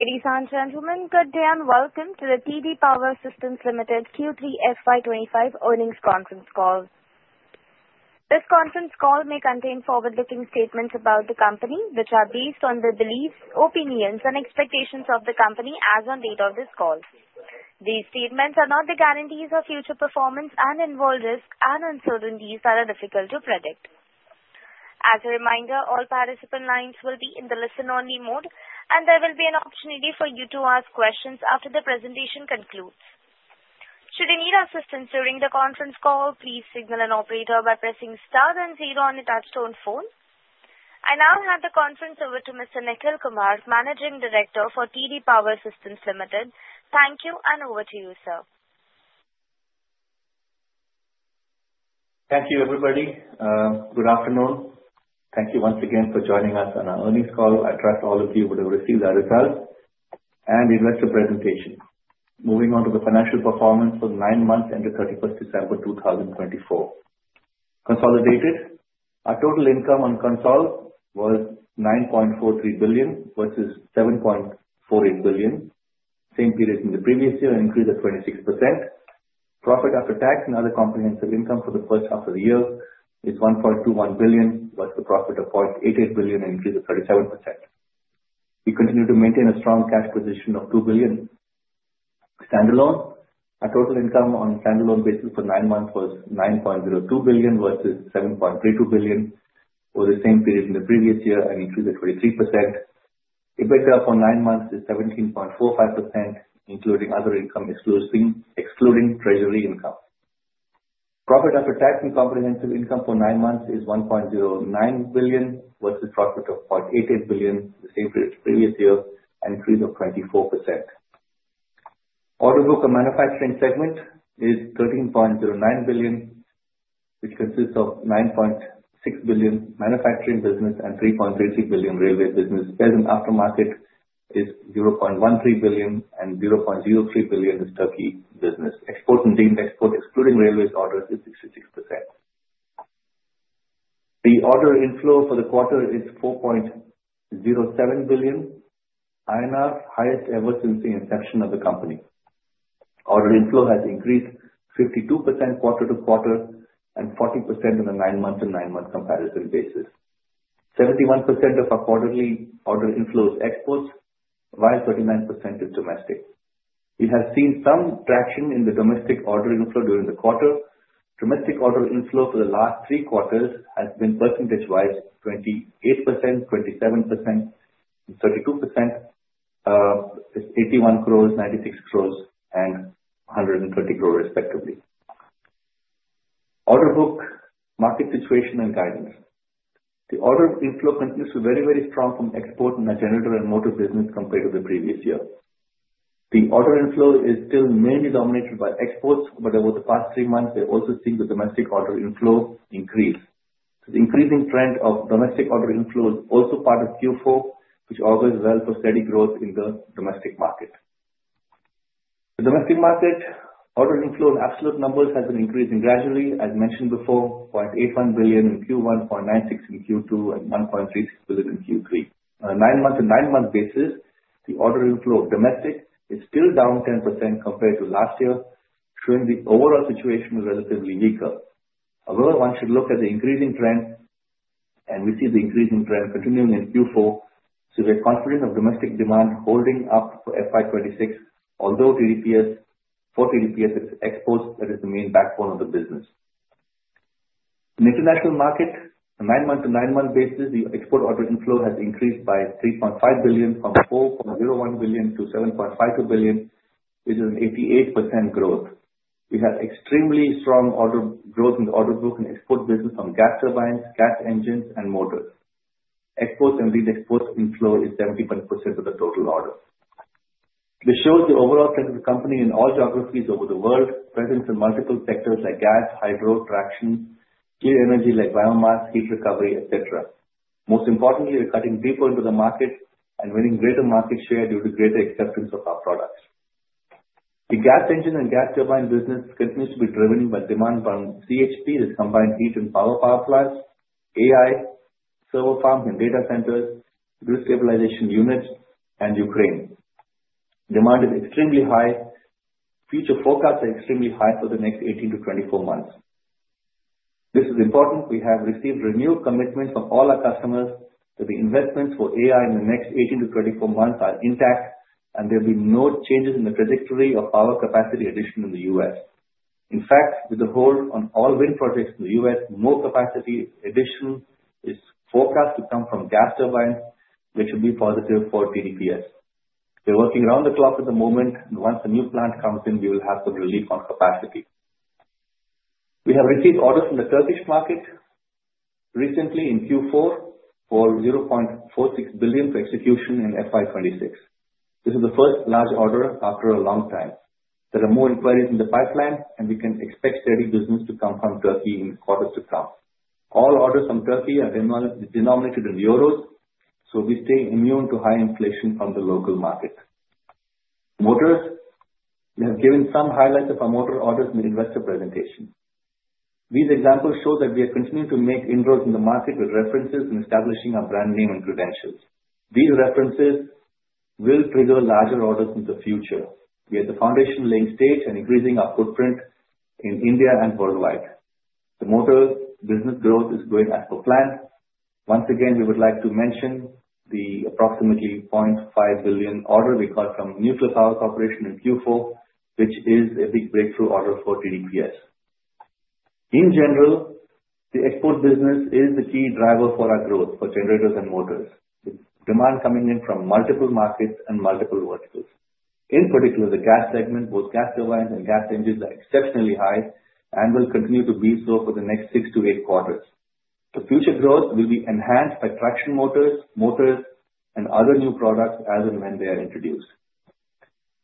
Ladies and gentlemen, good day and welcome to the TD Power Systems Limited Q3 FY 2025 earnings conference call. This conference call may contain forward-looking statements about the company, which are based on the beliefs, opinions and expectations of the company as on date of this call. These statements are not the guarantees of future performance and involve risks and uncertainties that are difficult to predict. As a reminder, all participant lines will be in the listen only mode and there will be an opportunity for you to ask questions after the presentation concludes. Should you need assistance during the conference call, please signal an operator by pressing star and zero on your touchtone phone. I now hand the conference over to Mr. Nikhil Kumar, Managing Director for TD Power Systems Limited. Thank you and over to you, sir. Thank you, everybody. Good afternoon. Thank you once again for joining us on our earnings call. I trust all of you would have received our results and investor presentation. Moving on to the financial performance for nine months ended 31st December 2024. Consolidated. Our total income on consolidated was 9.43 billion versus 7.48 billion same period in the previous year, an increase of 26%. Profit after tax and other comprehensive income for the first half of the year is 1.21 billion, versus the profit of 0.88 billion, an increase of 37%. We continue to maintain a strong cash position of 2 billion. Standalone. Our total income on standalone basis for nine months was 9.02 billion versus 7.32 billion for the same period in the previous year, an increase of 23%. EBITDA for nine months is 17.45%, including other income excluding treasury income. Profit after tax and comprehensive income for nine months is 1.09 billion versus profit of 0.88 billion the same period previous year, an increase of 24%. Order book and manufacturing segment is 13.09 billion, which consists of 9.6 billion manufacturing business and 3.33 billion railway business. Spare and aftermarket is 0.13 billion and 0.03 billion is Turkey business. Exports and deemed exports excluding railways orders is 66%. The order inflow for the quarter is 4.07 billion, highest ever since the inception of the company. Order inflow has increased 52% quarter-over-quarter and 40% in the nine-month-over-nine-month comparison basis. 71% of our quarterly order inflow is exports while 39% is domestic. We have seen some traction in the domestic order inflow during the quarter. Domestic order inflow for the last three quarters has been percentage-wise 28%, 27% and 32%, with 81 crores, 96 crores and 120 crores respectively. Order book, market situation and guidance. The order inflow continues to be very strong from export in our generator and motor business compared to the previous year. The order inflow is still mainly dominated by exports, but over the past three months we are also seeing the domestic order inflow increase. The increasing trend of domestic order inflow is also part of Q4 which augurs well for steady growth in the domestic market. The domestic market order inflow in absolute numbers has been increasing gradually as mentioned before, 0.81 billion in Q1, 0.96 billion in Q2 and 1.36 billion in Q3. On a nine-month-to-nine-month basis, the order inflow of domestic is still down 10% compared to last year, showing the overall situation is relatively weaker. One should look at the increasing trend, and we see the increasing trend continuing in Q4. We are confident of domestic demand holding up for FY 2026, although for TDPS its exports that is the main backbone of the business. In the international market, a nine-month-to-nine-month basis, the export order inflow has increased by 3.5 billion from 4.01 billion to 7.52 billion, which is an 88% growth. We have extremely strong growth in the order book and export business from gas turbines, gas engines and motors. Exports and deemed exports inflow is 70% of the total order. This shows the overall strength of the company in all geographies over the world present in multiple sectors like gas, hydro, traction, clean energy like biomass, heat recovery, et cetera. Most importantly, we are cutting deeper into the market and winning greater market share due to greater acceptance of our products. The gas engine and gas turbine business continues to be driven by demand from CHP, that is combined heat and power power plants, AI, server farms and data centers, grid stabilization units and Ukraine. Demand is extremely high. Future forecasts are extremely high for the next 18-24 months. This is important. We have received renewed commitments from all our customers that the investments for AI in the next 18-24 months are intact and there'll be no changes in the trajectory of power capacity addition in the U.S. In fact, with the hold on all wind projects in the U.S., more capacity addition is forecast to come from gas turbines, which will be positive for TDPS. We are working around the clock at the moment and once the new plant comes in, we will have some relief on capacity. We have received orders from the Turkish market recently in Q4 for 0.46 billion for execution in FY 2026. This is the first large order after a long time. There are more inquiries in the pipeline and we can expect steady business to come from Turkey in the quarters to come. All orders from Turkey are denominated in euros. We stay immune to high inflation from the local market. Motors. We have given some highlights of our motor orders in the investor presentation. These examples show that we are continuing to make inroads in the market with references in establishing our brand name and credentials. These references will trigger larger orders in the future. We are at the foundation laying stage and increasing our footprint in India and worldwide. The motors business growth is going as per plan. Once again, we would like to mention the approximately 0.5 billion order we got from Nuclear Power Corporation in Q4, which is a big breakthrough order for TDPS. In general, the export business is the key driver for our growth for generators and motors, with demand coming in from multiple markets and multiple verticals. In particular, the gas segment, both gas turbines and gas engines are exceptionally high and will continue to be so for the next six to eight quarters. The future growth will be enhanced by traction motors and other new products as and when they are introduced.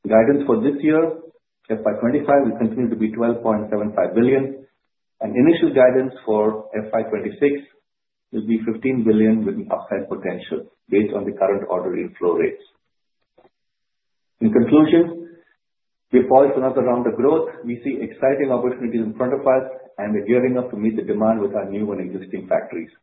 The guidance for this year, FY 2025, will continue to be 12.75 billion and initial guidance for FY 2026 will be 15 billion with an upside potential based on the current order inflow rates. In conclusion, we are poised for another round of growth. We see exciting opportunities in front of us, and we are gearing up to meet the demand with our new and existing factories.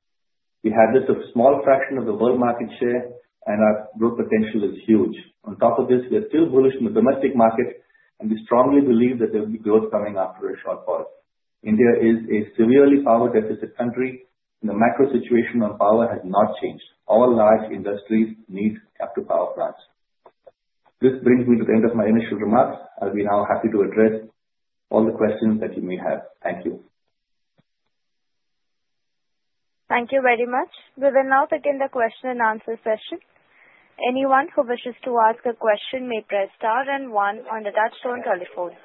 We have just a small fraction of the world market share and our growth potential is huge. On top of this, we are still bullish in the domestic market, and we strongly believe that there will be growth coming after a short pause. India is a severely power deficit country, and the macro situation on power has not changed. All large industries need captive power plants. This brings me to the end of my initial remarks. I'll be now happy to address all the questions that you may have. Thank you. Thank you very much. We will now begin the question and answer session. Anyone who wishes to ask a question may press star and one on the touchtone telephone.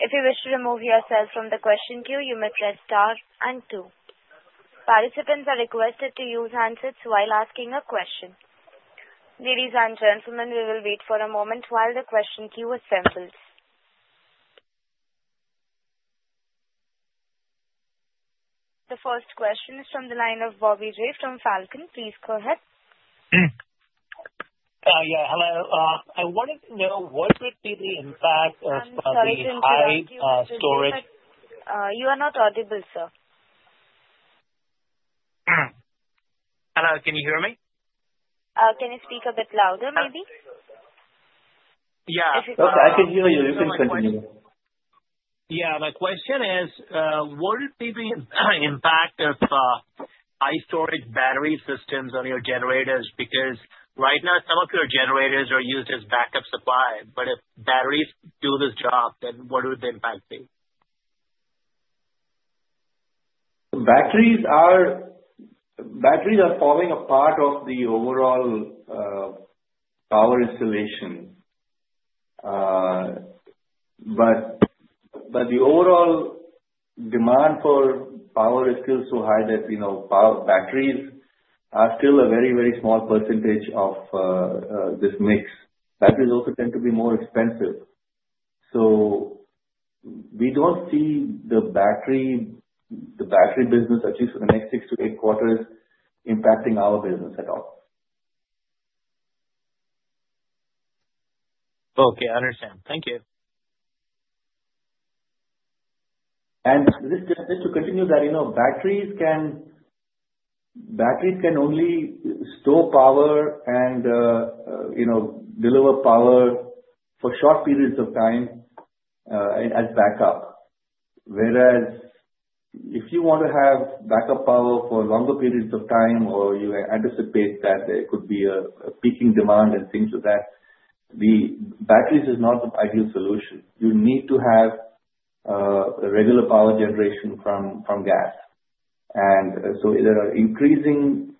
If you wish to remove yourself from the question queue, you may press star and two. Participants are requested to use handsets while asking a question. Ladies and gentlemen, we will wait for a moment while the question queue assembles. The first question is from the line of Bobby Jay from Falcon. Please go ahead. Yeah. Hello. I wanted to know what would be the impact of I'm sorry to interrupt you. high storage You are not audible, sir. Hello, can you hear me? Can you speak a bit louder, maybe? Yeah. I can hear you. You can continue. Yeah. My question is, what would be the impact of high storage battery systems on your generators? Because right now some of your generators are used as backup supply, but if batteries do this job, then what would the impact be? Batteries are forming a part of the overall power installation. The overall demand for power is still so high that power batteries are still a very small % of this mix. Batteries also tend to be more expensive. We don't see the battery business, at least for the next six to eight quarters, impacting our business at all. Okay, I understand. Thank you. Just to continue that, batteries can only store power and deliver power for short periods of time as backup. Whereas if you want to have backup power for longer periods of time, or you anticipate that there could be a peaking demand and things like that, the batteries is not the ideal solution. You need to have a regular power generation from gas. There are increasing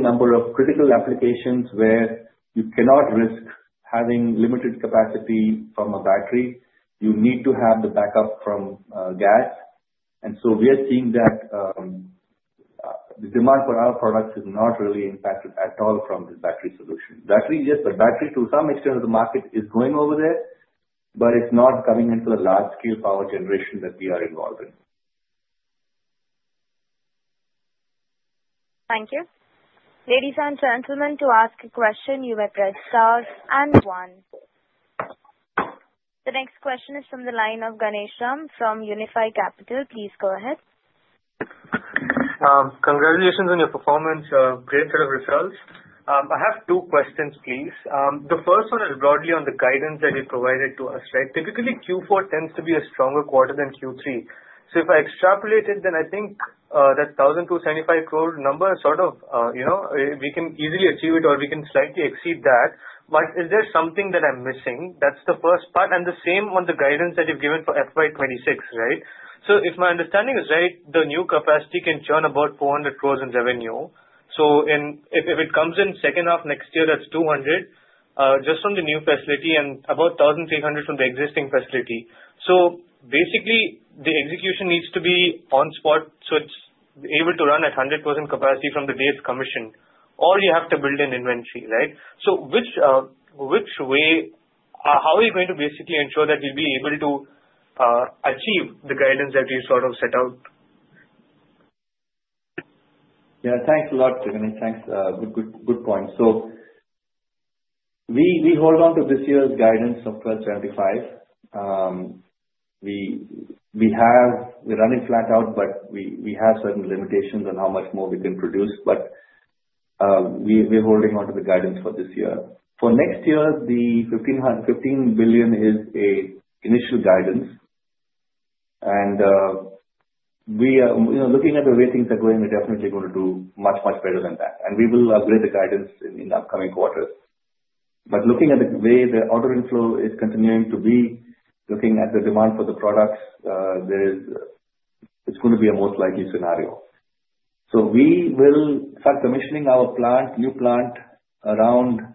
number of critical applications where you cannot risk having limited capacity from a battery. You need to have the backup from gas. We are seeing that the demand for our products is not really impacted at all from this battery solution. Battery, yes. The battery to some extent of the market is going over there, but it's not coming into the large scale power generation that we are involved in. Thank you. Ladies and gentlemen, to ask a question, you may press stars and one. The next question is from the line of Ganesan from Unifi Capital. Please go ahead. Congratulations on your performance. Great set of results. I have two questions please. The first one is broadly on the guidance that you provided to us, right? Typically, Q4 tends to be a stronger quarter than Q3. If I extrapolate it, then I think, that 1,275 crore number sort of, we can easily achieve it or we can slightly exceed that. Is there something that I'm missing? That's the first part. The same on the guidance that you've given for FY 2026, right? If my understanding is right, the new capacity can churn about 400 crore in revenue. If it comes in second half next year, that's 200, just from the new facility and about 1,300 from the existing facility. Basically, the execution needs to be on spot, so it's able to run at 100% capacity from the day it's commissioned, or you have to build in inventory, right? How are you going to basically ensure that you'll be able to achieve the guidance that you sort of set out? Yeah, thanks a lot, Jigar, and thanks. Good point. We hold on to this year's guidance of 1,275. We're running flat out, we have certain limitations on how much more we can produce, we're holding onto the guidance for this year. For next year, the 15 billion is an initial guidance we are looking at the way things are going, we're definitely going to do much, much better than that we will upgrade the guidance in the upcoming quarters. Looking at the way the order inflow is continuing to be, looking at the demand for the products, it's going to be a most likely scenario. We will start commissioning our new plant stage-wise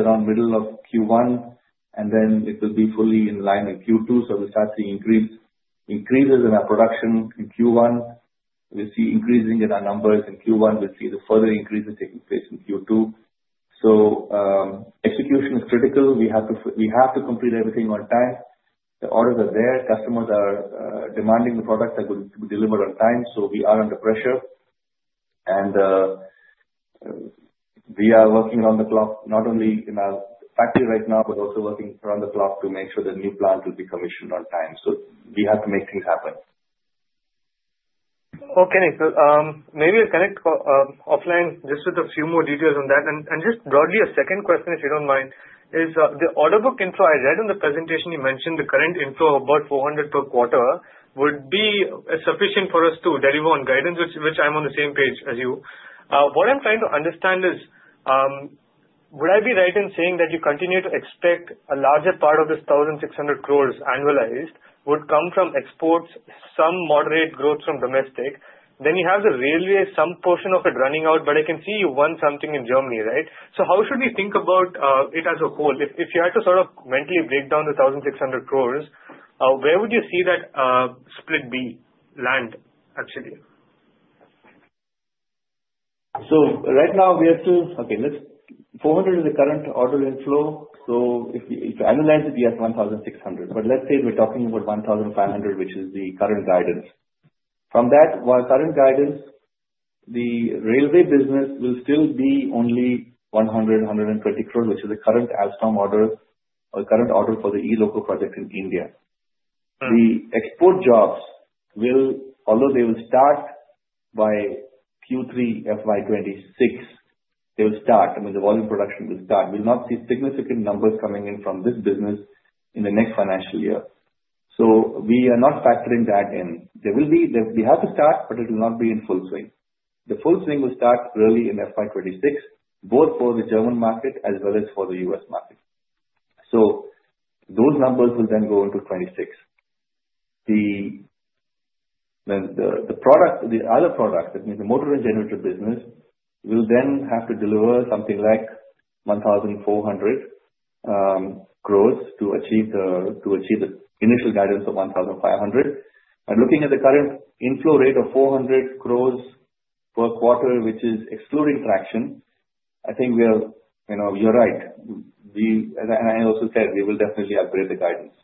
around middle of Q1, then it will be fully in line in Q2. We'll start seeing increases in our production in Q1. We'll see increases in our numbers in Q1. We'll see the further increases taking place in Q2. Execution is critical. We have to complete everything on time. The orders are there. Customers are demanding the products that will be delivered on time, so we are under pressure. We are working around the clock, not only in our factory right now, but also working around the clock to make sure the new plant will be commissioned on time. We have to make things happen. Okay, Nikhil. Maybe I'll connect offline just with a few more details on that. Just broadly, a second question, if you don't mind, is the order book inflow. I read in the presentation you mentioned the current inflow about 400 per quarter would be sufficient for us to deliver on guidance, which I'm on the same page as you. What I'm trying to understand is, would I be right in saying that you continue to expect a larger part of this 1,600 crores annualized would come from exports, some moderate growth from domestic? You have the railway, some portion of it running out, but I can see you won something in Germany, right? How should we think about it as a whole? If you had to sort of mentally break down the 1,600 crores, where would you see that split land actually? Right now, 400 is the current order inflow. If you annualize it, we are at 1,600. Let's say we are talking about 1,500, which is the current guidance. From that, our current guidance, the railway business will still be only 100 crore, 120 crore, which is the current Alstom order or current order for the e-Loco project in India. The export jobs, although they will start by Q3 FY 2026. I mean, the volume production will start. We will not see significant numbers coming in from this business in the next financial year. We are not factoring that in. We have to start, but it will not be in full swing. The full swing will start early in FY 2026, both for the German market as well as for the U.S. market. Those numbers will then go into 2026. The other products, that means the motor and generator business, will then have to deliver something like 1,400 crore to achieve the initial guidance of 1,500. Looking at the current inflow rate of 400 crore per quarter, which is excluding traction, I think you are right. I also said we will definitely upgrade the guidance.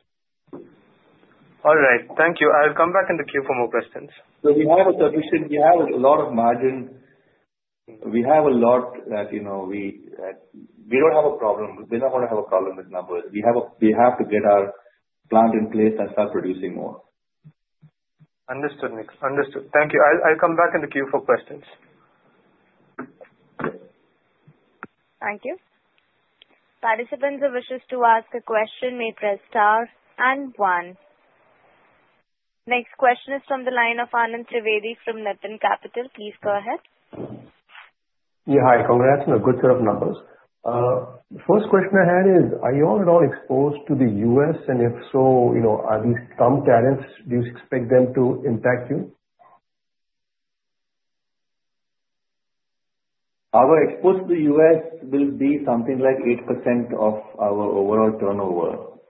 All right. Thank you. I'll come back in the queue for more questions. We have a lot of margin. We don't have a problem. We're not going to have a problem with numbers. We have to get our plant in place and start producing more. Understood, Nick. Understood. Thank you. I'll come back in the queue for questions. Thank you. Participants who wishes to ask a question may press star and one. Next question is from the line of Anand Trivedi from Nittan Capital. Please go ahead. Yeah. Hi. Congratulations. Good set of numbers. First question I had is, are you all at all exposed to the U.S., and if so, are these Trump tariffs, do you expect them to impact you? Our exposure to the U.S. will be something like 8% of our overall turnover.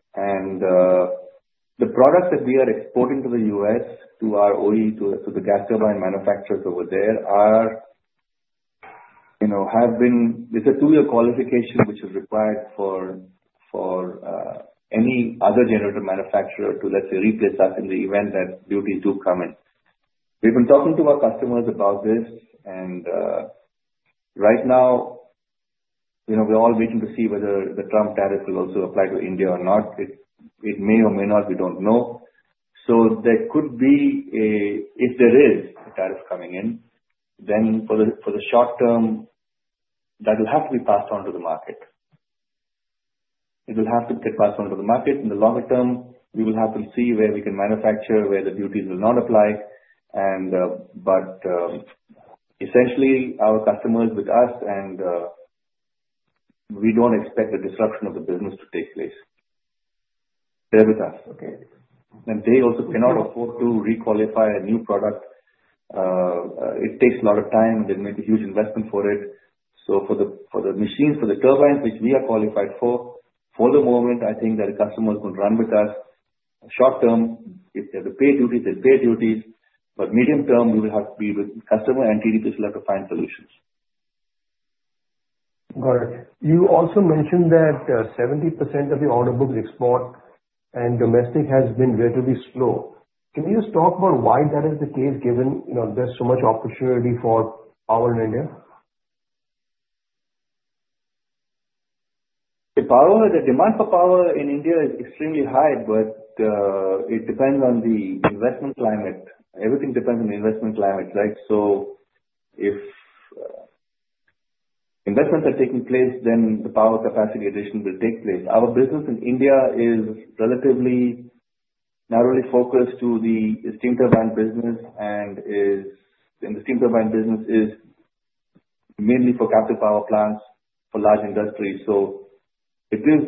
The products that we are exporting to the U.S. to our OE, to the gas turbine manufacturers over there, it's a two-year qualification which is required for any other generator manufacturer to, let's say, replace us in the event that duties do come in. We've been talking to our customers about this, and right now, we're all waiting to see whether the Trump tariff will also apply to India or not. It may or may not, we don't know. If there is a tariff coming in, then for the short term, that will have to be passed on to the market. It will have to get passed on to the market. In the longer term, we will have to see where we can manufacture, where the duties will not apply. Essentially, our customers with us and we don't expect the disruption of the business to take place. They're with us, okay? They also cannot afford to re-qualify a new product. It takes a lot of time. They made a huge investment for it. For the machines, for the turbines, which we are qualified for the moment, I think that customers will run with us. Short term, if they have to pay duties, they'll pay duties. Medium-term, we will have to be with the customer, and TDPS will have to find solutions. Got it. You also mentioned that 70% of the order book is export and domestic has been relatively slow. Can you just talk about why that is the case, given there's so much opportunity for power in India? The demand for power in India is extremely high, it depends on the investment climate. Everything depends on the investment climate. If investments are taking place, the power capacity addition will take place. Our business in India is relatively narrowly focused to the steam turbine business, the steam turbine business is mainly for captive power plants for large industries. It is,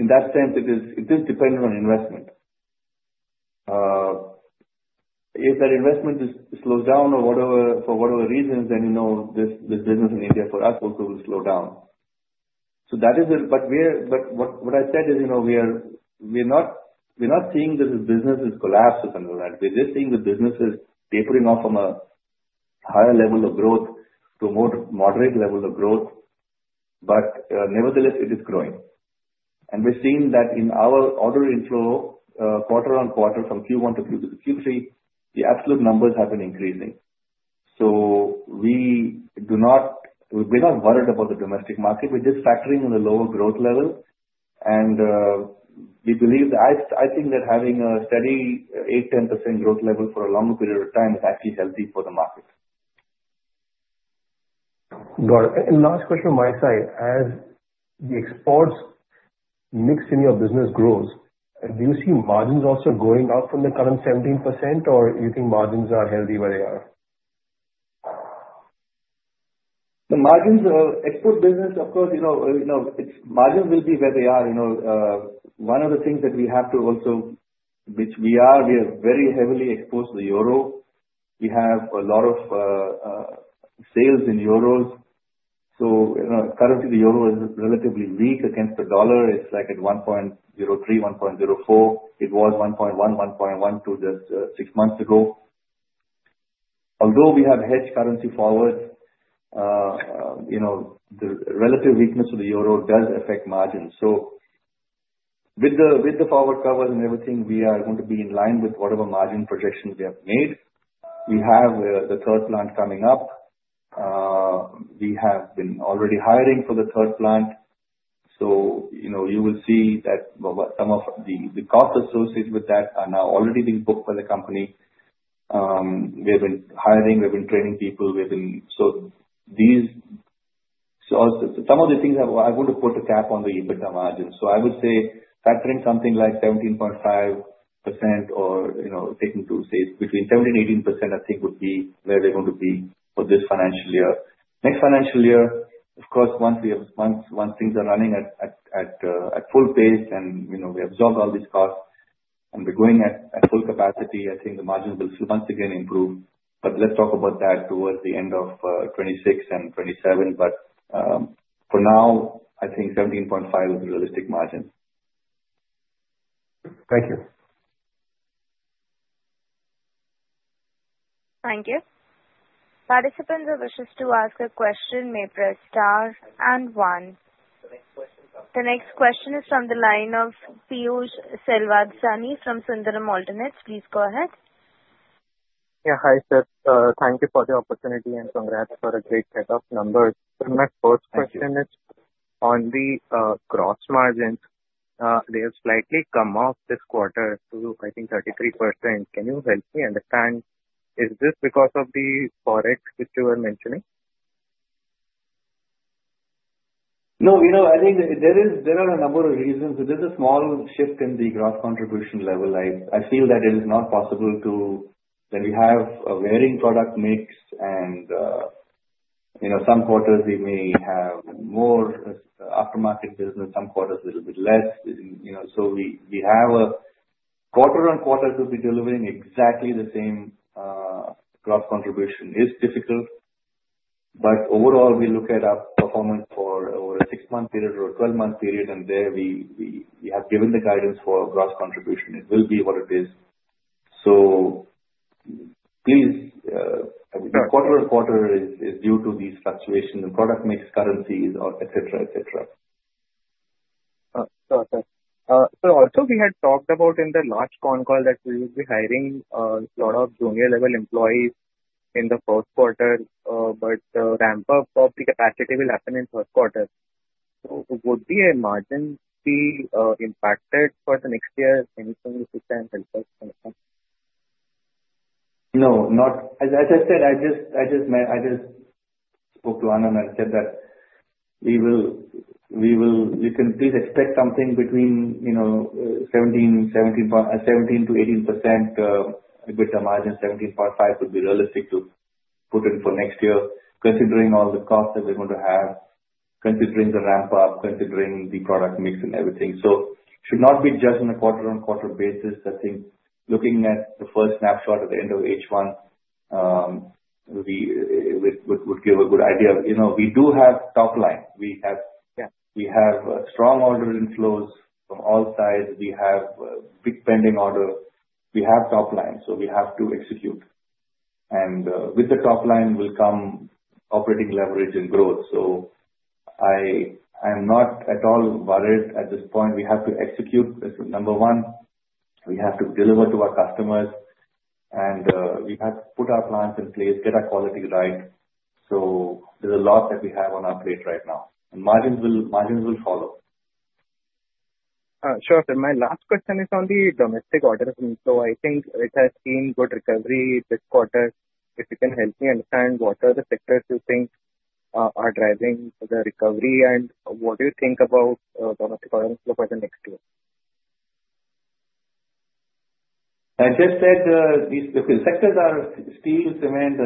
in that sense, it is dependent on investment. If that investment slows down for whatever reasons, this business in India for us also will slow down. What I said is, we're not seeing this business has collapsed as such. We're just seeing the business is tapering off from a higher level of growth to more moderate levels of growth. Nevertheless, it is growing. We're seeing that in our order inflow, quarter-on-quarter from Q1 to Q3, the absolute numbers have been increasing. We're not worried about the domestic market. We're just factoring in the lower growth level, and I think that having a steady eight, 10% growth level for a longer period of time is actually healthy for the market. Got it. Last question on my side. As the exports mix in your business grows, do you see margins also going up from the current 17%, or you think margins are healthy where they are? The export business, of course, its margins will be where they are. One of the things which we are very heavily exposed to the EUR. We have a lot of sales in EUR. Currently the EUR is relatively weak against the USD. It's like at one point 1.03, 1.04. It was 1.1, 1.12, just 6 months ago. Although we have hedged currency forward, the relative weakness of the EUR does affect margins. With the forward cover and everything, we are going to be in line with whatever margin projections we have made. We have the third plant coming up. We have been already hiring for the third plant. You will see that some of the costs associated with that are now already being booked by the company. We've been hiring, we've been training people. Some of the things, I want to put a cap on the EBITDA margin. I would say factoring something like 17.5% or taking two states between 17%-18%, I think would be where they're going to be for this financial year. Next financial year, of course, once things are running at full pace and we absorb all these costs and we're going at full capacity, I think the margins will once again improve. Let's talk about that towards the end of 2026 and 2027. For now, I think 17.5% is a realistic margin. Thank you. Thank you. Participants who wish to ask a question may press star and one. The next question is from the line of Piyush Selvadurai from Sundaram Alternates. Please go ahead. Yeah. Hi, Seth. Thank you for the opportunity and congrats for a great set of numbers. My first question is on the gross margins. They have slightly come off this quarter to, I think, 33%. Can you help me understand, is this because of the Forex which you were mentioning? No. I think there are a number of reasons. There's a small shift in the gross contribution level. I feel that it is not possible to, when we have a varying product mix and some quarters we may have more aftermarket business, some quarters a little bit less. Quarter on quarter to be delivering exactly the same gross contribution is difficult. Overall, we look at our performance for over a six-month period or a 12-month period, there we have given the guidance for gross contribution. It will be what it is. Please, quarter on quarter is due to these fluctuations in product mix currencies or et cetera. Got it. Sir, also, we had talked about in the last con call that we will be hiring a lot of junior-level employees in the first quarter, the ramp-up of the capacity will happen in first quarter. Would the margin be impacted for the next year? Can you please look at and help us understand? No, not as I said, I just spoke to Anand and said that you can please expect something between 17%-18% EBITDA margin. 17.5% would be realistic to put in for next year, considering all the costs that we're going to have, considering the ramp up, considering the product mix and everything. It should not be just on a quarter-on-quarter basis. I think looking at the first snapshot at the end of H1 would give a good idea. We do have top line. Yeah. We have strong order inflows from all sides. We have big pending orders. We have top line, we have to execute. With the top line will come operating leverage and growth. I am not at all worried at this point. We have to execute. That's number 1. We have to deliver to our customers, and we have to put our plans in place, get our quality right. There's a lot that we have on our plate right now. Margins will follow. Sure, sir. My last question is on the domestic orders. I think it has been good recovery this quarter. If you can help me understand, what are the sectors you think are driving the recovery, and what do you think about domestic orders for the next year? I just said, the sectors are steel, cement.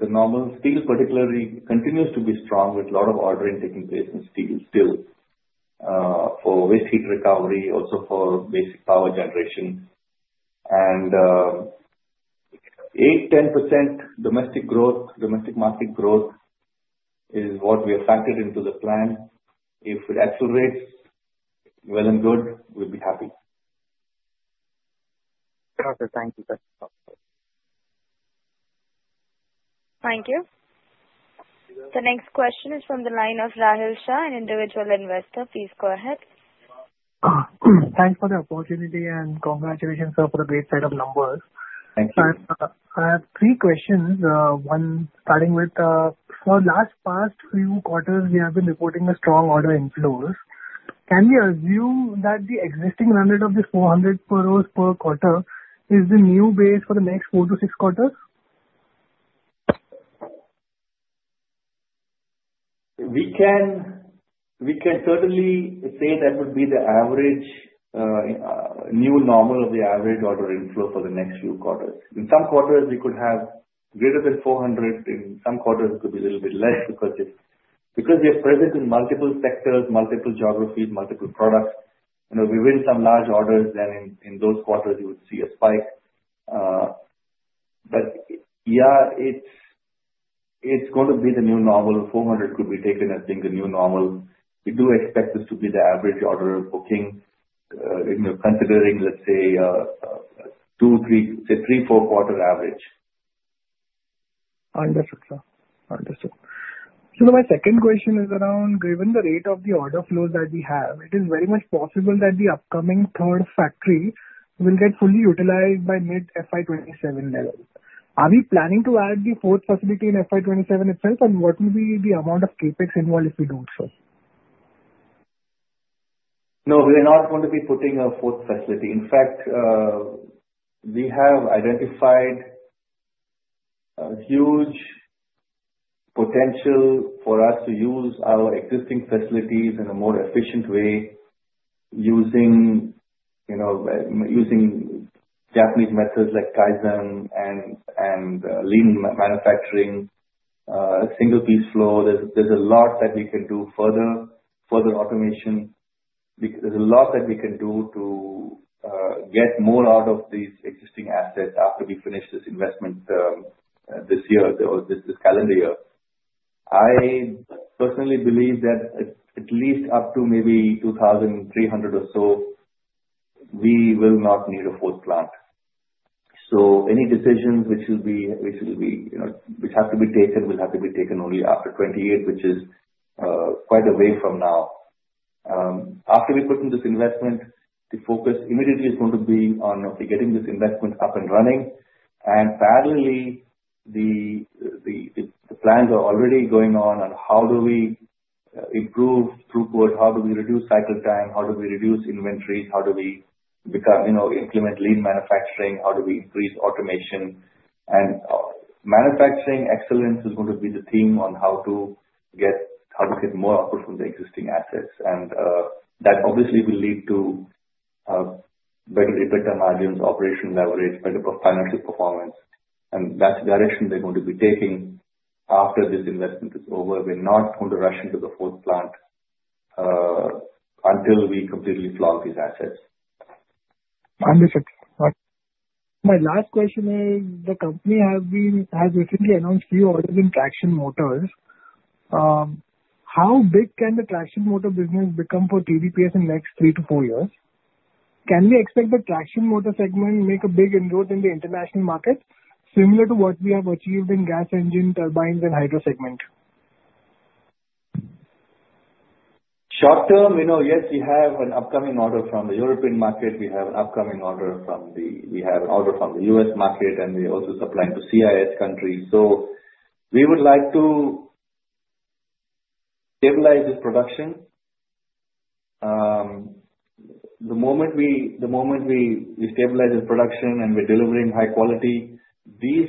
The normal steel particularly continues to be strong with lot of ordering taking place in steel still for waste heat recovery, also for basic power generation. 8%-10% domestic growth, domestic market growth is what we have factored into the plan. If it accelerates, well and good, we'll be happy. Okay. Thank you, sir. Thank you. The next question is from the line of Rahul Shah, an individual investor. Please go ahead. Thanks for the opportunity and congratulations, sir, for the great set of numbers. Thank you. I have three questions. One, starting with, for last past few quarters, we have been reporting a strong order inflows. Can we assume that the existing run rate of this 400 per quarter is the new base for the next 4-6 quarters? We can certainly say that would be the new normal of the average order inflow for the next few quarters. In some quarters, we could have greater than 400. In some quarters, it could be little bit less because we are present in multiple sectors, multiple geographies, multiple products. We win some large orders, then in those quarters, you would see a spike. Yeah, it's going to be the new normal. 400 could be taken as the new normal. We do expect this to be the average order booking considering, let's say, three, four quarter average. Understood, sir. Understood. My second question is around given the rate of the order flows that we have, it is very much possible that the upcoming third factory will get fully utilized by mid FY 2027 levels. Are we planning to add the fourth facility in FY 2027 itself? What will be the amount of CapEx involved if we do so? No, we're not going to be putting a fourth facility. In fact, we have identified a huge potential for us to use our existing facilities in a more efficient way using Japanese methods like Kaizen and lean manufacturing, single piece flow. There's a lot that we can do further automation. There's a lot that we can do to get more out of these existing assets after we finish this investment this year, this calendar year. I personally believe that at least up to maybe 2,300 or so, we will not need a fourth plant. Any decisions which have to be taken will have to be taken only after 2028, which is quite a way from now. After we've put in this investment, the focus immediately is going to be on getting this investment up and running. Parallelly, the plans are already going on on how do we improve throughput, how do we reduce cycle time, how do we reduce inventories, how do we implement lean manufacturing, how do we increase automation. Manufacturing excellence is going to be the theme on how to get more output from the existing assets. That obviously will lead to better EBITDA margins, operational leverage, better financial performance. That's the direction we're going to be taking after this investment is over. We're not going to rush into the fourth plant until we completely flog these assets. Understood. My last question is, the company has recently announced new orders in traction motors. How big can the traction motor business become for TDPS in next three to four years? Can we expect the traction motor segment make a big inroads in the international markets similar to what we have achieved in gas engine turbines and hydro segment? Short term, yes, we have an upcoming order from the European market. We have an order from the U.S. market, and we're also supplying to CIS countries. We would like to stabilize this production. The moment we stabilize this production and we're delivering high quality, within these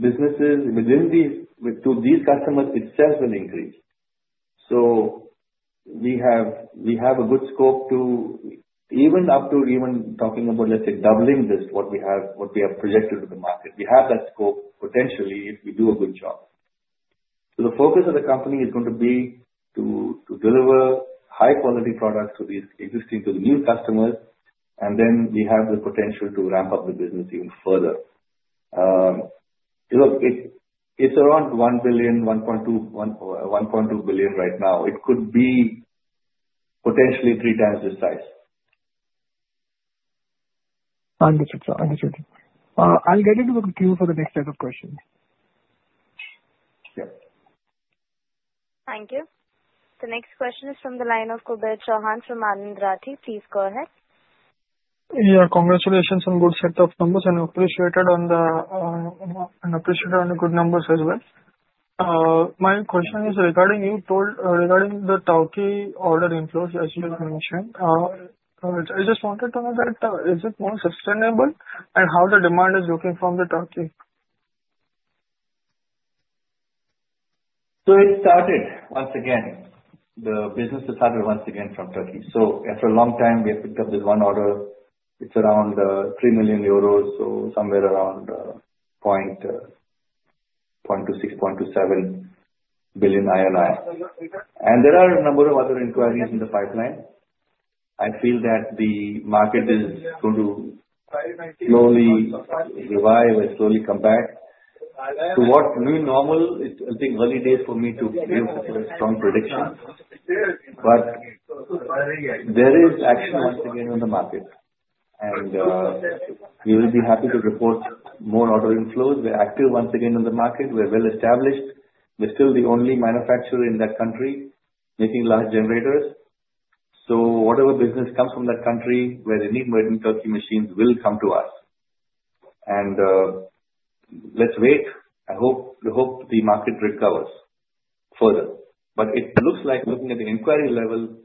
two these customers itself will increase. We have a good scope to even up to even talking about, let's say, doubling this what we have projected to the market. We have that scope potentially if we do a good job. The focus of the company is going to be to deliver high quality products to these existing, to the new customers, and then we have the potential to ramp up the business even further. Look, it's around 1 billion, 1.2 billion right now. It could be potentially 3 times this size. Understood, sir. I'll get into the queue for the next set of questions. Thank you. The next question is from the line of Kubert Chauhan from Anand Rathi. Please go ahead. Yeah. Congratulations on good set of numbers. Appreciated on the good numbers as well. My question is regarding you told regarding the Turkey order inflows, as you mentioned. I just wanted to know that, is it more sustainable and how the demand is looking from Turkey. It started once again. The business has started once again from Turkey. After a long time, we have picked up this one order. It is around 3 million euros, somewhere around 0.26, 0.27 billion INR. There are a number of other inquiries in the pipeline. I feel that the market is going to slowly revive and slowly come back to what is new normal. It is, I think, early days for me to give a strong prediction. There is action once again in the market. We will be happy to report more order inflows. We are active once again in the market. We are well established. We are still the only manufacturer in that country making large generators. Whatever business comes from that country where they need made in Turkey machines will come to us. Let us wait. I hope the market recovers further. It looks like looking at the inquiry level,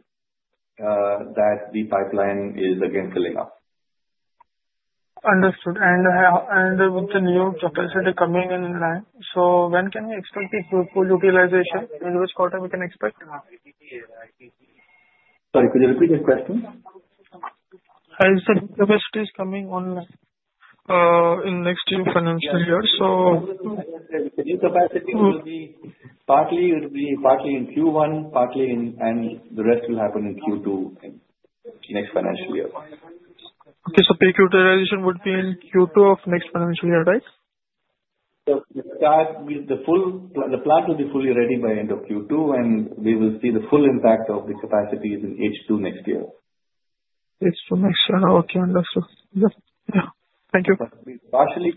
that the pipeline is again filling up. Understood. With the new capacity coming in line. When can we expect the full utilization? In which quarter we can expect? Sorry, could you repeat the question? I said capacity is coming online in next year financial year. The new capacity will be partly in Q1, and the rest will happen in Q2 next financial year. Okay. Peak utilization would be in Q2 of next financial year, right? The plant will be fully ready by end of Q2, and we will see the full impact of the capacities in H2 next year. H2 next year. Okay, understood. Thank you. We partially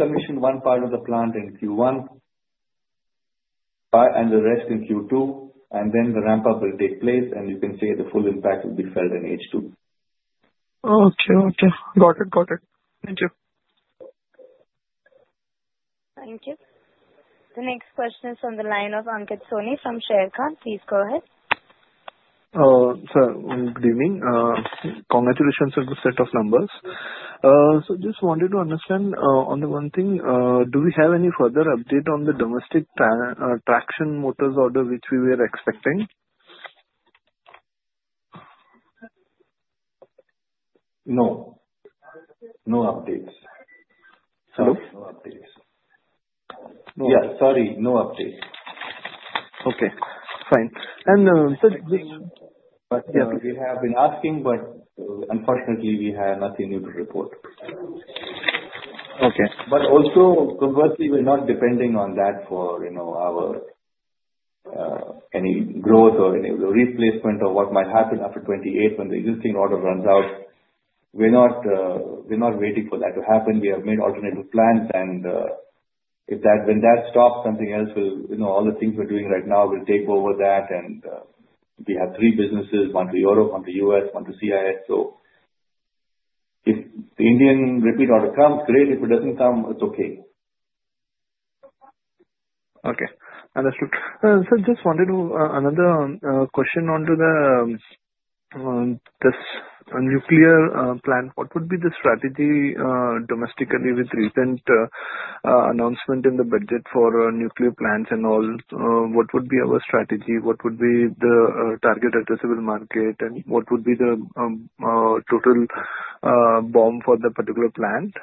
commission one part of the plant in Q1 and the rest in Q2, and then the ramp-up will take place, and you can say the full impact will be felt in H2. Okay. Got it. Thank you. Thank you. The next question is on the line of Ankit Soni from Sharekhan. Please go ahead. Sir, good evening. Congratulations on the set of numbers. Just wanted to understand, on the one thing, do we have any further update on the domestic traction motors order, which we were expecting? No updates. Sorry? No updates. No updates. Yeah, sorry. No updates. Okay, fine. We have been asking, unfortunately, we have nothing new to report. Okay. Also, conversely, we're not depending on that for our any growth or any replacement or what might happen after 28 when the existing order runs out. We're not waiting for that to happen. We have made alternative plans when that stops, something else will, all the things we're doing right now will take over that. We have three businesses, one to Europe, one to U.S., one to CIS. If the Indian repeat order comes, great. If it doesn't come, it's okay. Okay, understood. Sir, just wanted another question onto this nuclear plant. What would be the strategy domestically with recent announcement in the budget for nuclear plants and all? What would be our strategy? What would be the target addressable market, what would be the total TAM for that particular plant?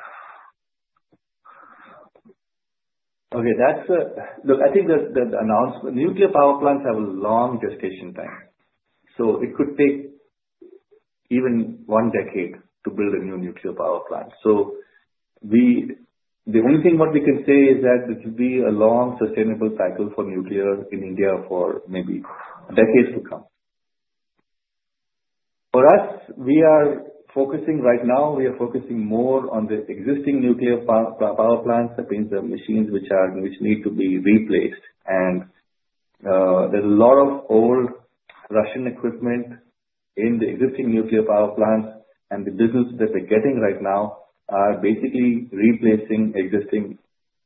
Okay. I think that announcement, nuclear power plants have a long gestation time, it could take even one decade to build a new nuclear power plant. The only thing what we can say is that it will be a long, sustainable cycle for nuclear in India for maybe decades to come. For us, right now, we are focusing more on the existing nuclear power plants. That means the machines which need to be replaced. There's a lot of old Russian equipment in the existing nuclear power plants, the business that we're getting right now are basically replacing existing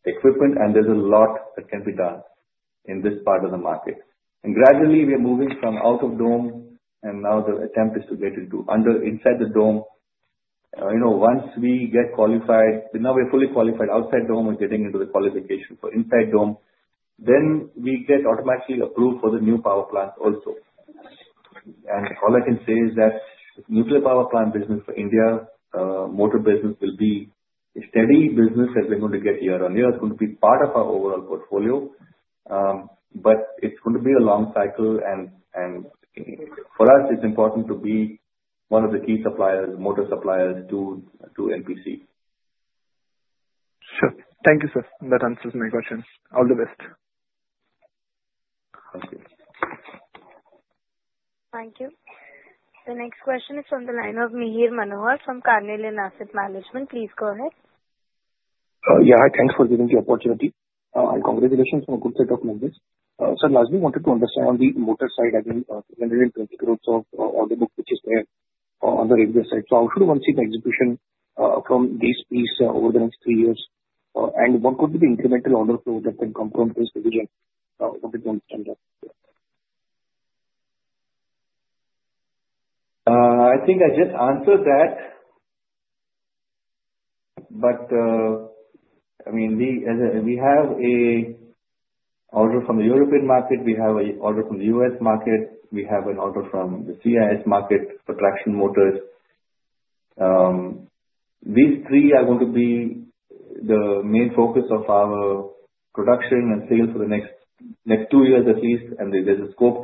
equipment, there's a lot that can be done in this part of the market. Gradually, we are moving from out of dome, now the attempt is to get into inside the dome. Once we get qualified, now we're fully qualified outside dome and getting into the qualification for inside dome, then we get automatically approved for the new power plant also. All I can say is that nuclear power plant business for India motor business will be a steady business that we're going to get year-on-year. It's going to be part of our overall portfolio, but it's going to be a long cycle and for us, it's important to be one of the key suppliers, motor suppliers to NPCIL. Sure. Thank you, sir. That answers my questions. All the best. Thank you. The next question is from the line of Mihir Manohar from Carnelian Asset Management. Please go ahead. Yeah. Thanks for giving the opportunity. Congratulations on a good set of numbers. Sir, lastly, wanted to understand the motor side, again, 320 crores of order book, which is there on the regular side. How should one see the execution from this piece over the next three years? What could be the incremental order flow that can come from this division from this one standard? I think I just answered that. We have an order from the European market, we have an order from the U.S. market, we have an order from the CIS market for traction motors. These three are going to be the main focus of our production and sales for the next two years at least, there's a scope,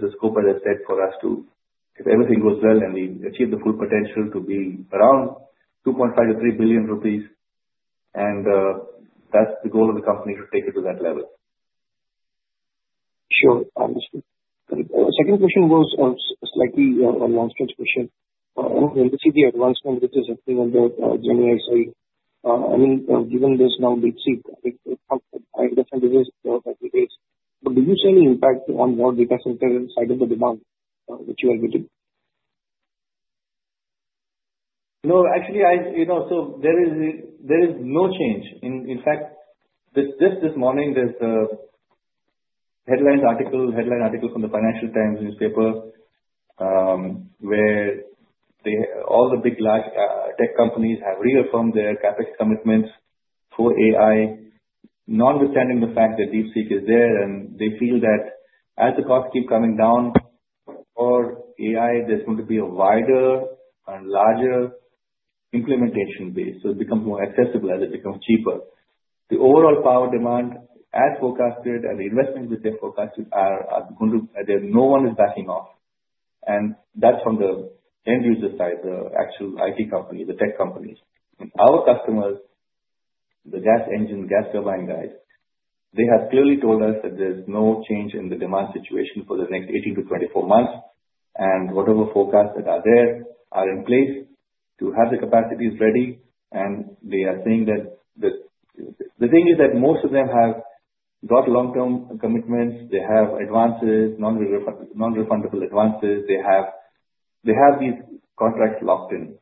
as I said, for us to, if everything goes well and we achieve the full potential, to be around 2.5 billion-3 billion rupees. That's the goal of the company, to take it to that level. Sure. Understood. Second question was on slightly a long-stretch question. When we see the advancement which is happening on the generative AI, given this now DeepSeek, I think it comes at different rates. Do you see any impact on your data center side of the demand which you are meeting? No. Actually, there is no change. In fact, just this morning, there's a headline article from the Financial Times newspaper, where all the big tech companies have reaffirmed their CapEx commitments for AI, notwithstanding the fact that DeepSeek is there. They feel that as the costs keep coming down for AI, there's going to be a wider and larger implementation base. It becomes more accessible as it becomes cheaper. The overall power demand as forecasted and the investments which they forecasted, no one is backing off. That's from the end user side, the actual IT companies, the tech companies. Our customers, the gas engine, gas turbine guys, they have clearly told us that there's no change in the demand situation for the next 18-24 months. Whatever forecasts that are there are in place to have the capacities ready. The thing is that most of them have got long-term commitments. They have advances, non-refundable advances. They have these contracts locked in.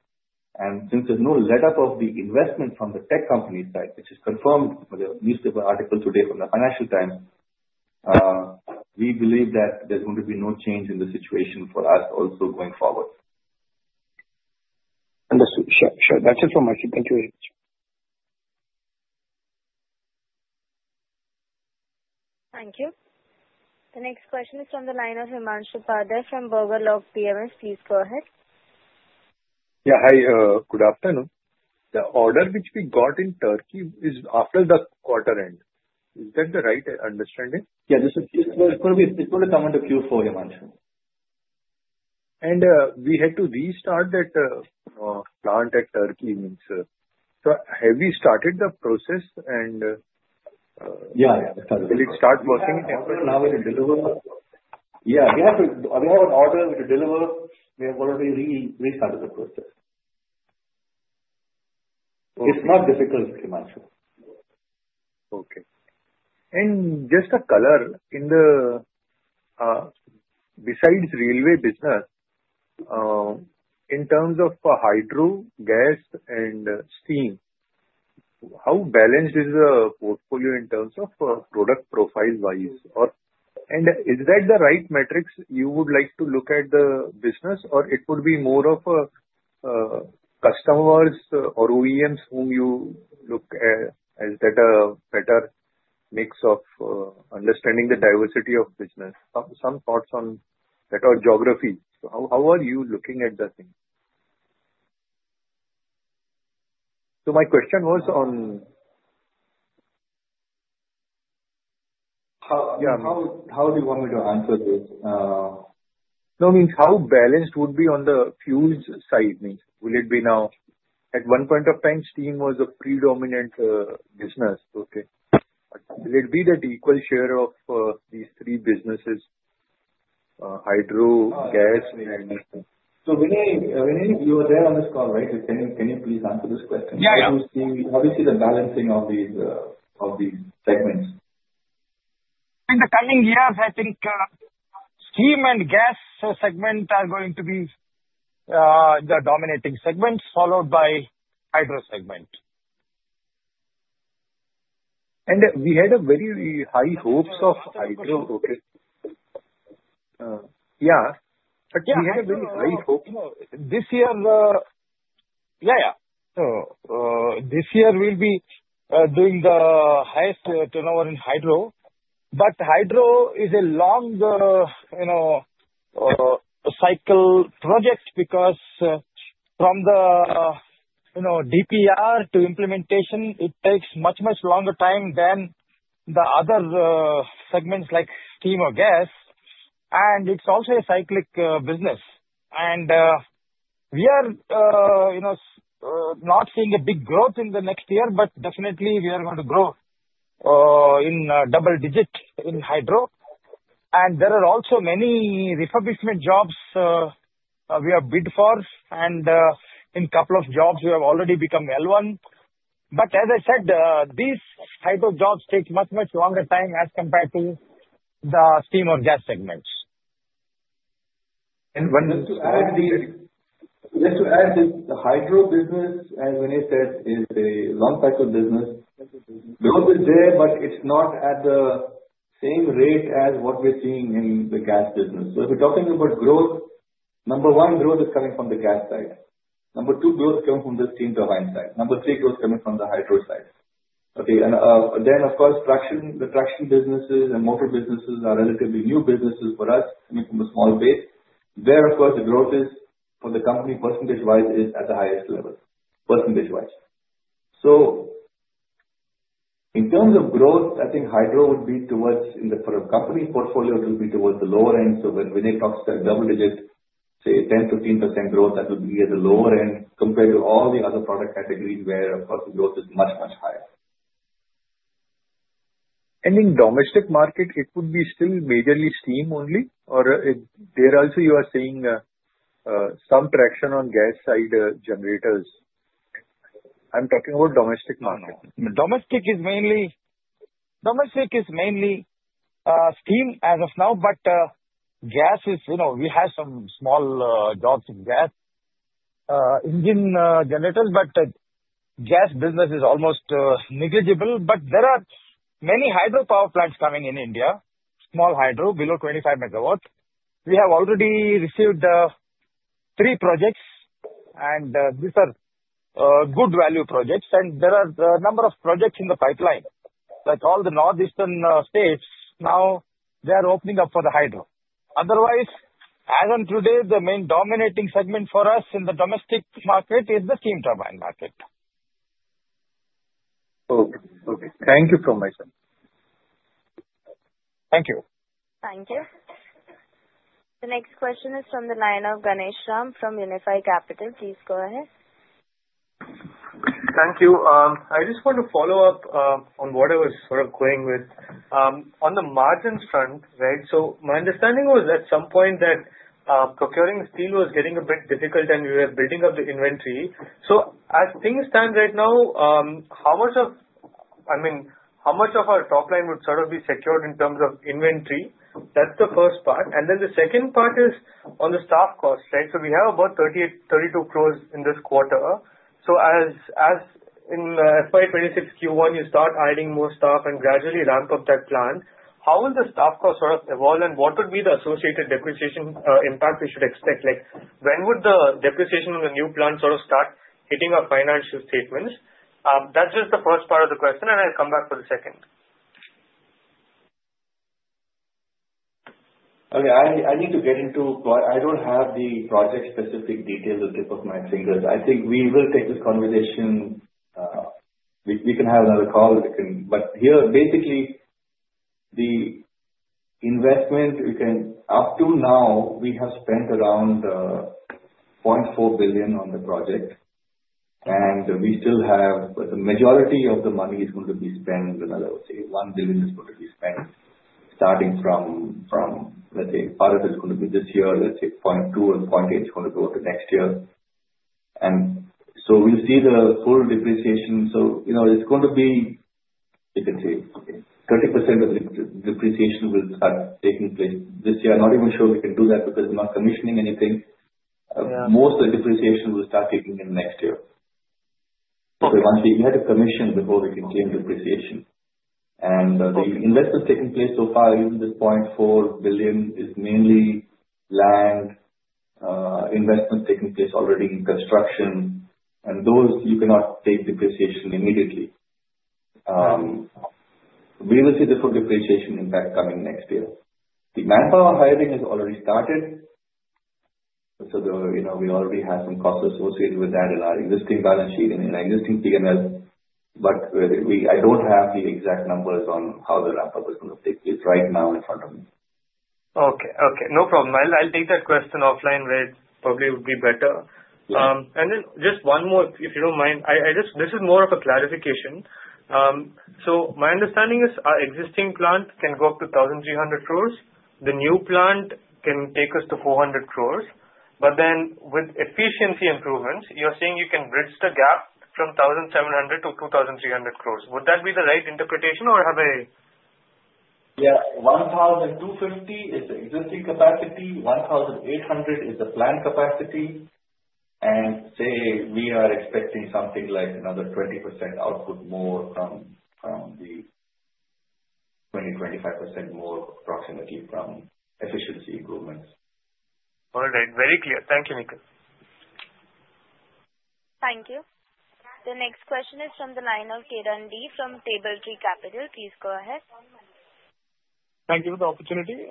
Since there's no letup of the investment from the tech company side, which is confirmed from the newspaper article today from the Financial Times, we believe that there's going to be no change in the situation for us also going forward. Understood. Sure. That's it from my side. Thank you very much. Thank you. The next question is from the line of Himanshu Padilla from Berggruen Holdings. Please go ahead. Yeah. Hi, good afternoon. The order which we got in Turkey is after the quarter end. Is that the right understanding? Yeah. It's going to come under Q4, Himanshu. We had to restart that plant at Turkey. Have you started the process? Yeah. Will it start working? We have an order now we need to deliver. Yeah, we have an order we need to deliver. We have got to restart the process. Okay. It's not difficult, Himanshu. Okay. Just a color, besides railway business, in terms of hydro, gas, and steam, how balanced is the portfolio in terms of product profile-wise? Is that the right metrics you would like to look at the business? It could be more of a customers or OEMs whom you look at as that a better mix of understanding the diversity of business? Some thoughts on that or geography. How are you looking at that thing? How do you want me to answer this? No, how balanced would be on the fuel side? At one point of time, steam was a predominant business. Okay. Will it be that equal share of these three businesses, hydro, gas and steam? Vinay, you are there on this call, right? Can you please answer this question? Yeah. How do you see the balancing of these segments? In the coming years, I think steam and gas segment are going to be the dominating segments, followed by hydro segment. We had a very high hopes of hydro. Yeah. We had a very high hope. This year- Yeah. This year we'll be doing the highest turnover in hydro. Hydro is a longer cycle project because from the DPR to implementation, it takes much longer time than the other segments like steam or gas. It's also a cyclic business. We are not seeing a big growth in the next year, but definitely we are going to grow in double digits in hydro. There are also many refurbishment jobs we have bid for, and in a couple of jobs we have already become L1. As I said, these hydro jobs take much, much longer time as compared to the steam or gas segments. Just to add, the hydro business, as Vinay said, is a long cycle business. Growth is there, but it's not at the same rate as what we're seeing in the gas business. If you're talking about growth, number 1, growth is coming from the gas side. Number 2, growth is coming from the steam turbine side. Number 3, growth coming from the hydro side. Okay. Of course, the traction businesses and motor businesses are relatively new businesses for us, coming from a small base. There, of course, the growth is for the company percentage-wise is at the highest levels, percentage-wise. In terms of growth, I think hydro would be towards, for a company portfolio, it will be towards the lower end. When Vinay talks about double digits, say 10%-15% growth, that will be at the lower end compared to all the other product categories where of course the growth is much, much higher. In domestic market, it would be still majorly steam only or there also you are seeing some traction on gas side generators? I'm talking about domestic market. Domestic is mainly steam as of now. We have some small jobs in gas engine generators, but gas business is almost negligible. There are many hydro power plants coming in India, small hydro below 25 megawatts. We have already received three projects and these are good value projects, and there are a number of projects in the pipeline. All the northeastern states, now they are opening up for the hydro. Otherwise, as on today, the main dominating segment for us in the domestic market is the steam turbine market. Okay. Thank you so much, sir. Thank you. Thank you. The next question is from the line of Ganesh Rajagopalan from Unifi Capital. Please go ahead. Thank you. I just want to follow up on what I was sort of going with. On the margins front, my understanding was at some point that procuring steel was getting a bit difficult and you were building up the inventory. As things stand right now, how much of our top line would sort of be secured in terms of inventory? That's the first part. The second part is on the staff cost. We have about 32 crore in this quarter. As in FY 2026 Q1 you start adding more staff and gradually ramp up that plant, how will the staff costs sort of evolve and what would be the associated depreciation impact we should expect? When would the depreciation on the new plant sort of start hitting our financial statements? That's just the first part of the question. I'll come back for the second. Okay. I don't have the project specific details at tip of my fingers. I think we will take this conversation, we can have another call. Here basically the investment we can, up to now we have spent around 0.4 billion on the project, and we still have the majority of the money is going to be spent, another, say, 1 billion is going to be spent starting from, let's say, part of it is going to be this year, let's say 0.2 or 0.8 is going to go to next year. We'll see the full depreciation. It's going to be, you can say, 30% of the depreciation will start taking place this year. I'm not even sure we can do that because we're not commissioning anything. Yeah. Most of the depreciation will start kicking in next year. Okay. Once we get a commission before we can claim depreciation. The investment taking place so far, even this 0.4 billion is mainly land investment taking place already in construction. Those you cannot take depreciation immediately. We will see the full depreciation impact coming next year. The manpower hiring has already started. We already have some costs associated with that in our existing balance sheet and existing P&L. I don't have the exact numbers on how the ramp-up is going to take place right now in front of me. Okay. No problem. I'll take that question offline where it probably would be better. Yeah. Just one more, if you don't mind. This is more of a clarification. My understanding is our existing plant can go up to 1,300 crores. The new plant can take us to 400 crores. With efficiency improvements, you're saying you can bridge the gap from 1,700 crores-2,300 crores. Would that be the right interpretation or have I Yeah. 1,250 is the existing capacity, 1,800 is the planned capacity. Say we are expecting something like another 20% output more from the 20%-25% more approximately from efficiency improvements. All right. Very clear. Thank you, Nikhil. Thank you. The next question is from the line of Kiran Dee from TripleTree Capital. Please go ahead. Thank you for the opportunity.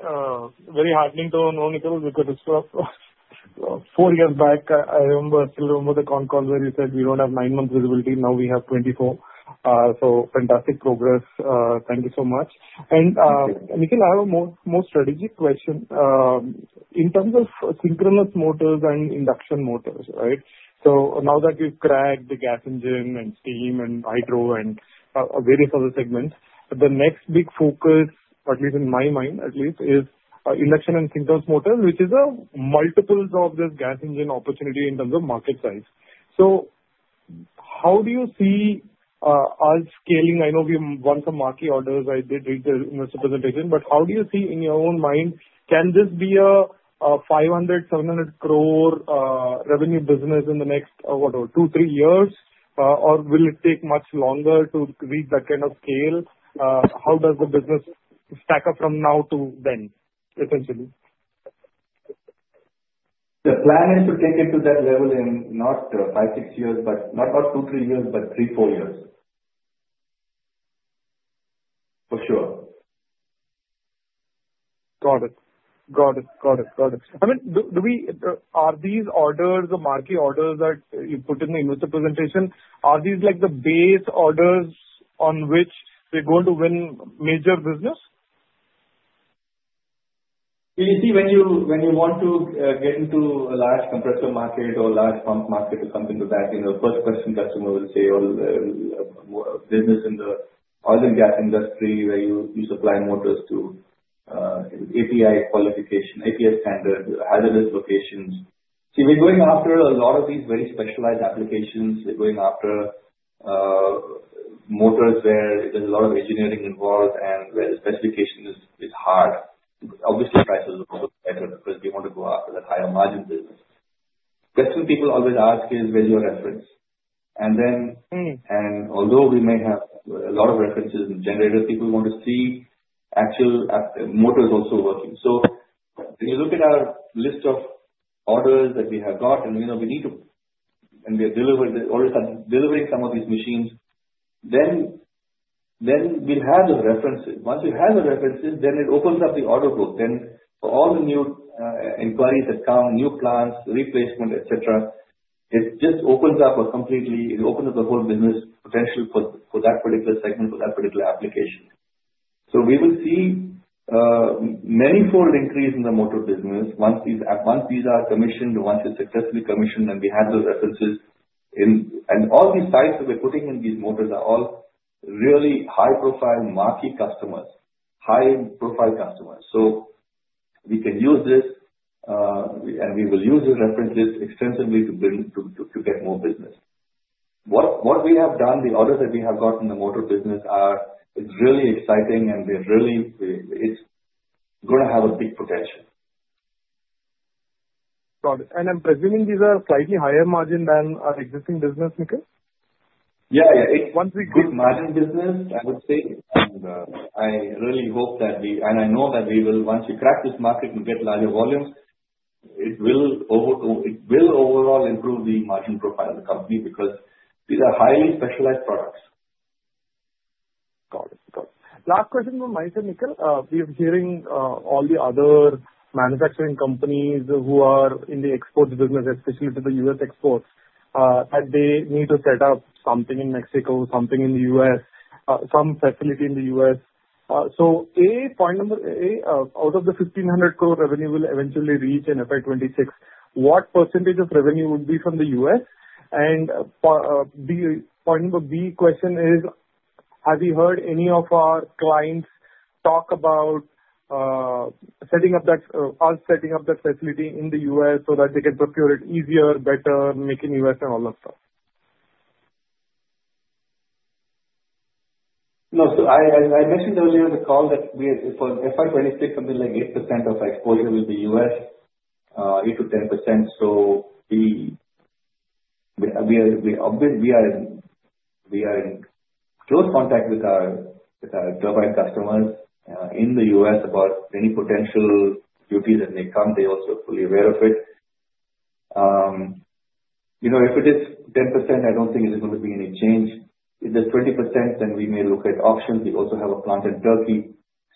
Very heartening tone though, Nikhil, because it's sort of four years back, I still remember the con call where you said we don't have nine months visibility, now we have 24. Fantastic progress. Thank you so much. Nikhil, I have a more strategic question. In terms of synchronous motors and induction motors, right? Now that we've cracked the gas engine and steam and hydro and various other segments, the next big focus, at least in my mind, is induction and synchronous motors, which is multiples of this gas engine opportunity in terms of market size. How do you see us scaling? I know we won some marquee orders. I did read the investor presentation. How do you see in your own mind, can this be a 500 crore, 700 crore revenue business in the next two, three years, or will it take much longer to reach that kind of scale? How does the business stack up from now to then, essentially? The plan is to take it to that level in not two, three years, but three, four years. For sure. Got it. Are these orders the marquee orders that you put in the investor presentation? Are these like the base orders on which we're going to win major business? You see, when you want to get into a large compressor market or large pump market or something like that, first question customer will say, or business in the oil and gas industry where you supply motors to API qualification, API standard, hazardous locations. We're going after a lot of these very specialized applications. We're going after motors where there's a lot of engineering involved and where the specification is hard. Obviously, prices are also better because we want to go after that higher margin business. Question people always ask is, where's your reference? Although we may have a lot of references in generators, people want to see actual motors also working. When you look at our list of orders that we have got, and we are delivering some of these machines, then we'll have the references. Once we have the references, it opens up the order book. For all the new inquiries that come, new plants, replacement, et cetera, it opens up the whole business potential for that particular segment, for that particular application. We will see manyfold increase in the motor business once these are commissioned, once they're successfully commissioned, and we have those references. All the sites that we're putting in these motors are all really high-profile marquee customers, high-profile customers. We can use this, and we will use this reference list extensively to get more business. What we have done, the orders that we have got in the motor business are really exciting, and it's going to have a big potential. Got it. I'm presuming these are slightly higher margin than our existing business, Nikhil? Yeah. It's good margin business, I would say. I know that once we crack this market and get larger volumes, it will overall improve the margin profile of the company because these are highly specialized products. Got it. Last question from my side, Nikhil. We are hearing all the other manufacturing companies who are in the exports business, especially to the U.S. exports, that they need to set up something in Mexico, something in the U.S., some facility in the U.S. A, out of the 1,500 crore revenue we'll eventually reach in FY 2026, what percentage of revenue would be from the U.S.? Point number B question is, have you heard any of our clients talk about us setting up that facility in the U.S. so that they can procure it easier, better, make in U.S., and all that stuff? No. I mentioned earlier in the call that for FY 2026, something like 8% of exposure will be U.S., 8%-10%. We are in close contact with our turbine customers in the U.S. about any potential duties that may come. They're also fully aware of it. If it is 10%, I don't think there's going to be any change. If it is 20%, we may look at options. We also have a plant in Turkey.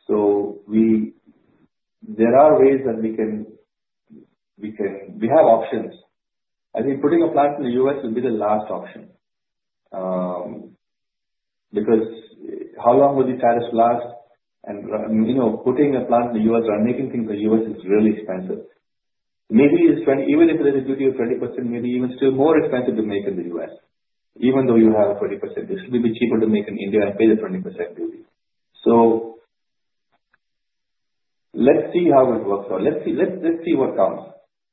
There are ways that we can. We have options. I think putting a plant in the U.S. will be the last option. How long will the tariffs last? Putting a plant in the U.S. or making things in the U.S. is really expensive. Maybe it's 20%. Even if there's a duty of 20%, maybe even still more expensive to make in the U.S., even though you have a 20% duty. It will be cheaper to make in India and pay the 20% duty. Let's see how it works out. Let's see what comes.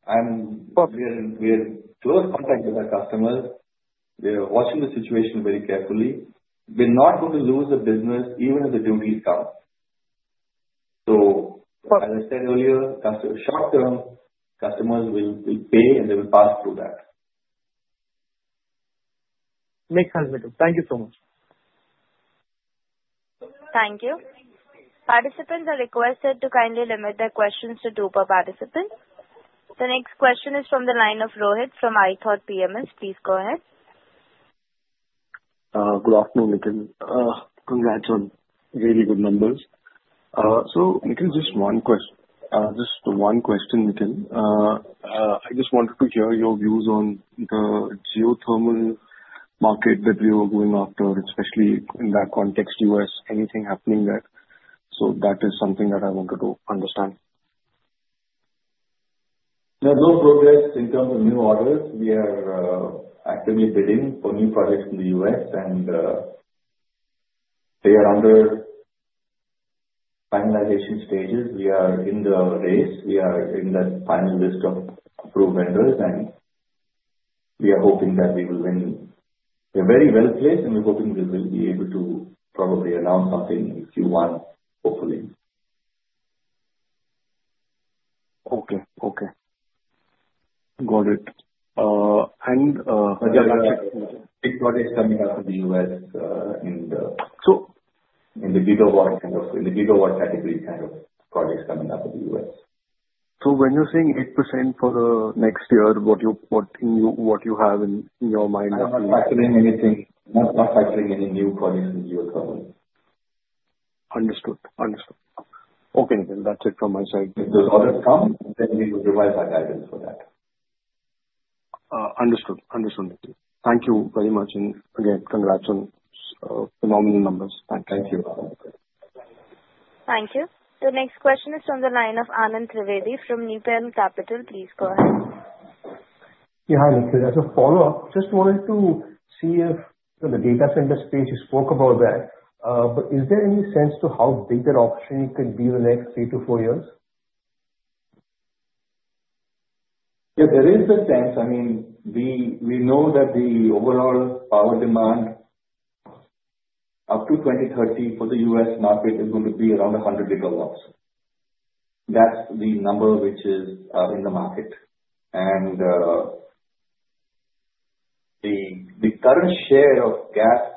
We are in close contact with our customers. We are watching the situation very carefully. We're not going to lose the business even if the duties come. As I said earlier, short term, customers will pay, and they will pass through that. Makes sense, Nikhil. Thank you so much. Thank you. Participants are requested to kindly limit their questions to two per participant. The next question is from the line of Rohit from iThought PMS. Please go ahead. Good afternoon, Nitin. Congrats on really good numbers. Nitin, just one question. I just wanted to hear your views on the geothermal market that you are going after, especially in that context, U.S. Anything happening there? That is something that I wanted to understand. There's no progress in terms of new orders. We are actively bidding for new projects in the U.S. They are under finalization stages. We are in the race. We are in that final list of approved vendors. We are hoping that we will win. We're very well-placed. We're hoping we will be able to probably announce something in Q1, hopefully. Okay. Got it. Yeah, big projects coming up in the U.S. So- In the gigawatt category kind of projects coming up in the U.S. When you're saying 8% for next year, what you have in your mind? I'm not factoring anything, not factoring any new projects in geothermal. Understood. Okay, that's it from my side. If those orders come, we will revise our guidance for that. Understood, Nitin. Thank you very much. Again, congrats on phenomenal numbers. Thank you. Thank you. The next question is on the line of Anand Trivedi from Nepean Capital. Please go ahead. Nitin, as a follow-up, just wanted to see if the data center space you spoke about that. Is there any sense to how big that opportunity could be the next three to four years? There is a sense. We know that the overall power demand up to 2030 for the U.S. market is going to be around 100 gigawatts. That's the number which is in the market. The current share of gas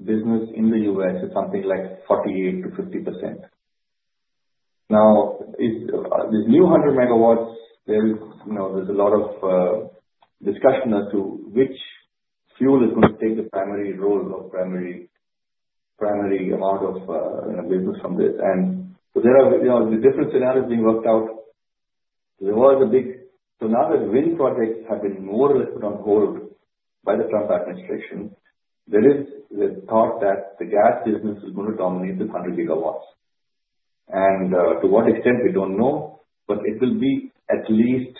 business in the U.S. is something like 48% to 50%. This new 100 megawatts, there's a lot of discussion as to which fuel is going to take the primary role or primary amount of business from this. There are the different scenarios being worked out. Now that wind projects have been more or less put on hold by the Trump administration, there is the thought that the gas business is going to dominate this 100 gigawatts. To what extent, we don't know, but it will be at least,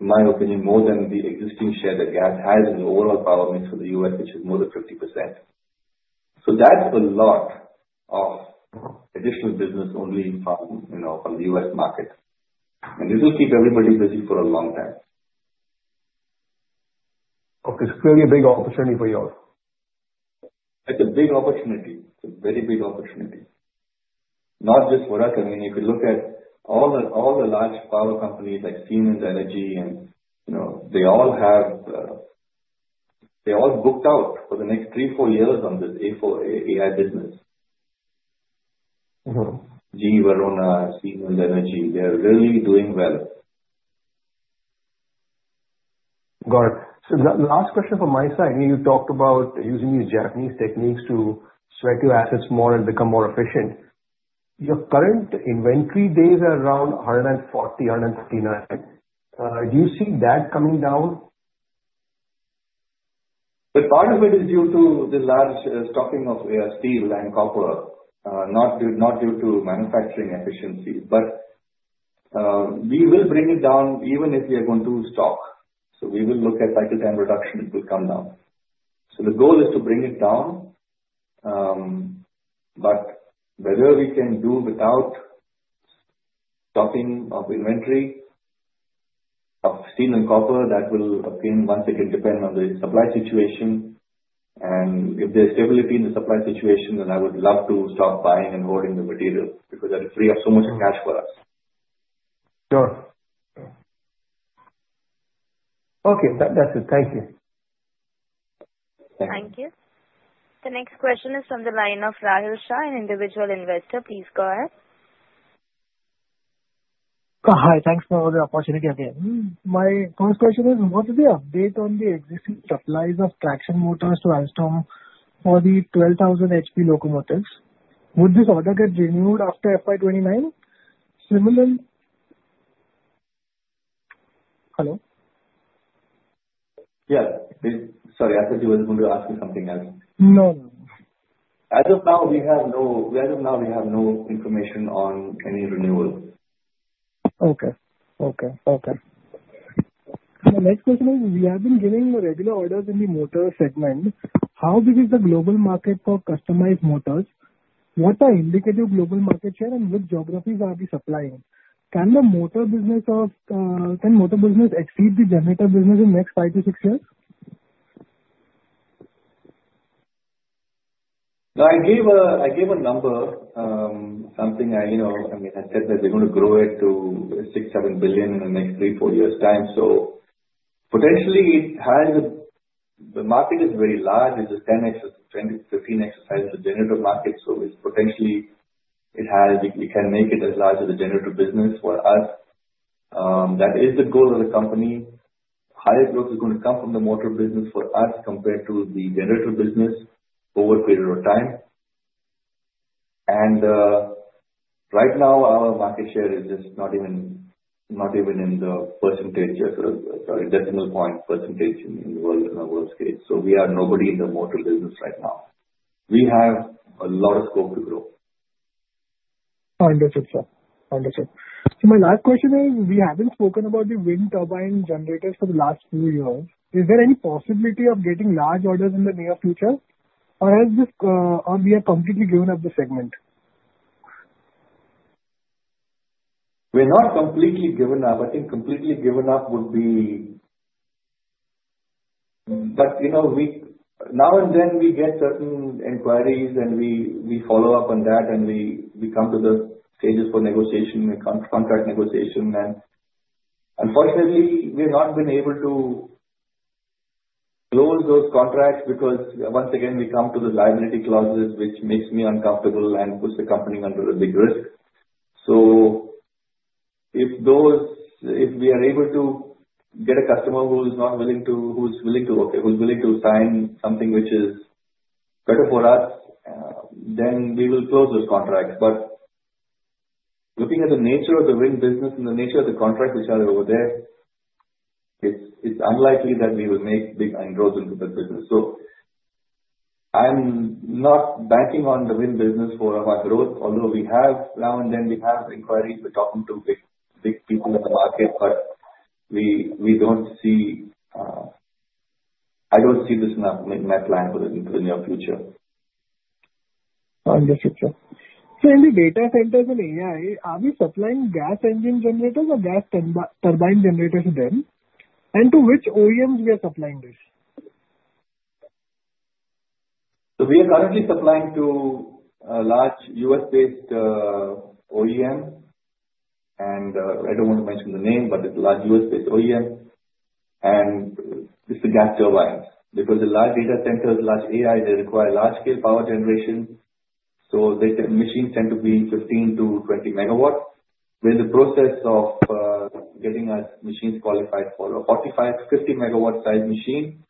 in my opinion, more than the existing share that gas has in the overall power mix for the U.S., which is more than 50%. That's a lot of additional business only from the U.S. market. This will keep everybody busy for a long time. Okay. Clearly a big opportunity for you all. It's a big opportunity. It's a very big opportunity. Not just for us. You could look at all the large power companies like Siemens Energy. They all booked out for the next three, four years on this A4AE business. GE Vernova, Siemens Energy, they are really doing well. Got it. The last question from my side, you talked about using these Japanese techniques to sweat your assets more and become more efficient. Your current inventory days are around 140, 159. Do you see that coming down? The part of it is due to the large stocking of your steel and copper, not due to manufacturing efficiency. We will bring it down even if we are going to stock. We will look at cycle time reduction, it will come down. The goal is to bring it down. Whether we can do without stocking of inventory of steel and copper, that will again, once again, depend on the supply situation. If there's stability in the supply situation, then I would love to stop buying and holding the material because that will free up so much cash for us. Sure. Okay. That's it. Thank you. Thank you. The next question is from the line of Rahul Shah, an individual investor. Please go ahead. Hi. Thanks for the opportunity again. My first question is, what is the update on the existing supplies of traction motors to Alstom for the 12,000 HP locomotives? Would this order get renewed after FY 2029? Similarly Hello? Yeah. Sorry, I thought you were going to ask me something else. No, no. As of now, we have no information on any renewals. My next question is, you have been getting the regular orders in the motor segment. How big is the global market for customized motors? What are indicative global market share and which geographies are we supplying? Can the motor business exceed the generator business in next 5 to 6 years? I gave a number. I said that we're going to grow it to six, seven billion in the next three, four years' time. Potentially, the market is very large. It's 10x to 15x size of the generator market, potentially we can make it as large as a generator business for us. That is the goal of the company. Highest growth is going to come from the motor business for us compared to the generator business over a period of time. Right now our market share is just not even in the percentage, sorry, decimal point percentage in the world, in our world scale. We are nobody in the motor business right now. We have a lot of scope to grow. Understood, sir. My last question is, we haven't spoken about the wind turbine generators for the last few years. Is there any possibility of getting large orders in the near future, or we have completely given up the segment? We've not completely given up. Now and then we get certain inquiries, and we follow up on that, and we come to the stages for negotiation, contract negotiation. Unfortunately, we've not been able to close those contracts because once again, we come to the liability clauses, which makes me uncomfortable and puts the company under a big risk. If we are able to get a customer who's willing to sign something which is better for us, then we will close those contracts. Looking at the nature of the wind business and the nature of the contracts which are over there, it's unlikely that we will make big inroads into that business. I'm not banking on the wind business for our growth, although now and then we have inquiries. We're talking to big people in the market. I don't see this in my plan for the near future. Understood, sir. In the data centers and AI, are we supplying gas engine generators or gas turbine generators to them? To which OEMs we are supplying this? We are currently supplying to a large U.S.-based OEM, I don't want to mention the name, but it's a large U.S.-based OEM, and it's a gas turbine. Because the large data centers, large AI, they require large-scale power generation, their machines tend to be 15-20 megawatts. We're in the process of getting our machines qualified for a 45, 50 megawatt size machine,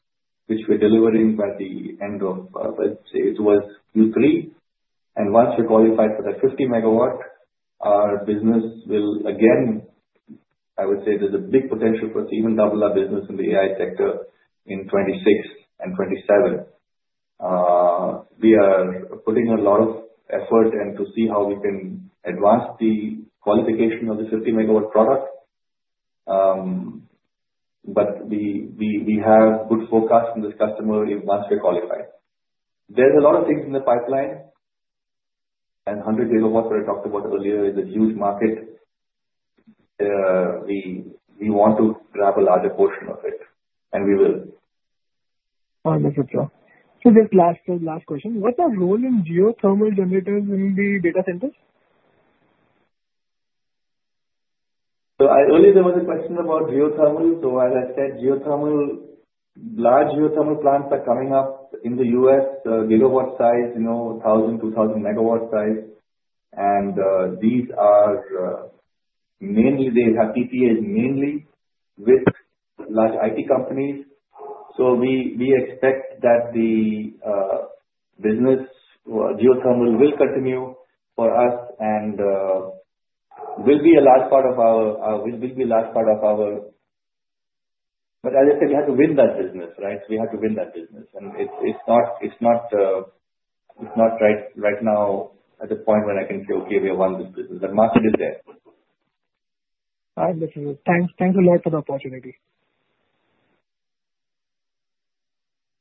which we're delivering by the end of, let's say towards Q3. Once we qualify for that 50 megawatt, our business will again, I would say there's a big potential for us to even double our business in the AI sector in 2026 and 2027. We are putting a lot of effort in to see how we can advance the qualification of the 50 megawatt product. We have good forecast from this customer once we're qualified. There's a lot of things in the pipeline, 100 megawatts that I talked about earlier is a huge market. We want to grab a larger portion of it, and we will. Understood, sir. Just last question. What's our role in geothermal generators in the data centers? Earlier there was a question about geothermal. As I said, large geothermal plants are coming up in the U.S., gigawatt size, 1,000, 2,000 megawatt size. They have PPAs mainly with large IT companies. We expect that the geothermal business will continue for us and will be a large part of our As I said, we have to win that business, right? We have to win that business, it's not right now at the point where I can say, "Okay, we have won this business." The market is there. I understand. Thanks a lot for the opportunity.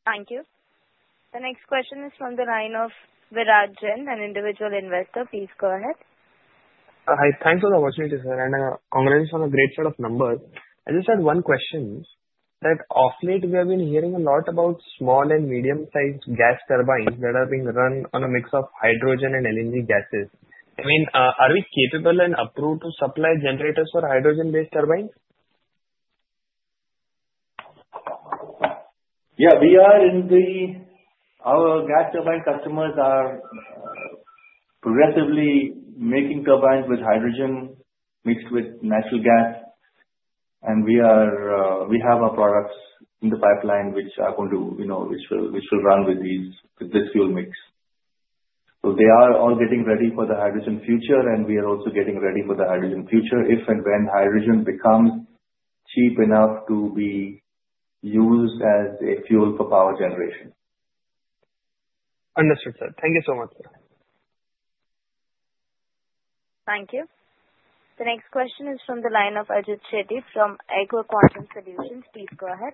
Thank you. The next question is from the line of Viraj Jain, an individual investor. Please go ahead. Hi. Thanks for the opportunity, sir, and congratulations on the great set of numbers. I just had one question. That of late we have been hearing a lot about small and medium-sized gas turbines that are being run on a mix of hydrogen and LNG gases. I mean, are we capable and approved to supply generators for hydrogen-based turbines? Yeah. Our gas turbine customers are progressively making turbines with hydrogen mixed with natural gas. We have our products in the pipeline which will run with this fuel mix. They are all getting ready for the hydrogen future, and we are also getting ready for the hydrogen future if and when hydrogen becomes cheap enough to be used as a fuel for power generation. Understood, sir. Thank you so much. Thank you. The next question is from the line of Ajit Shetty from Eiko Quantum Solutions. Please go ahead.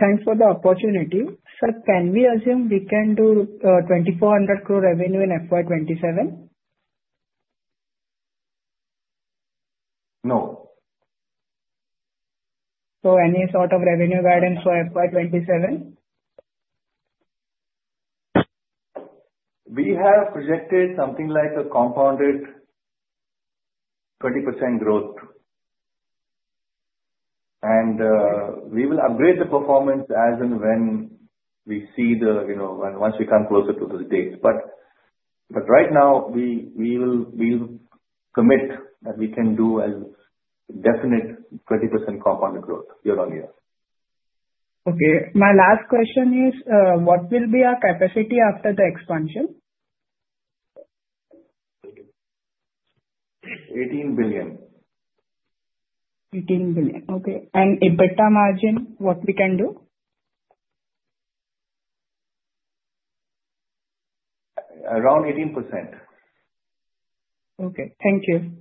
Thanks for the opportunity. Sir, can we assume we can do 2,400 crore revenue in FY 2027? No. Any sort of revenue guidance for FY 2027? We have projected something like a compounded 20% growth. We will upgrade the performance as and when we see and once we come closer to those dates. Right now, we will commit that we can do a definite 30% compounded growth year-on-year. Okay. My last question is, what will be our capacity after the expansion? 18 billion. 18 billion, okay. EBITDA margin, what we can do? Around 18%. Okay. Thank you.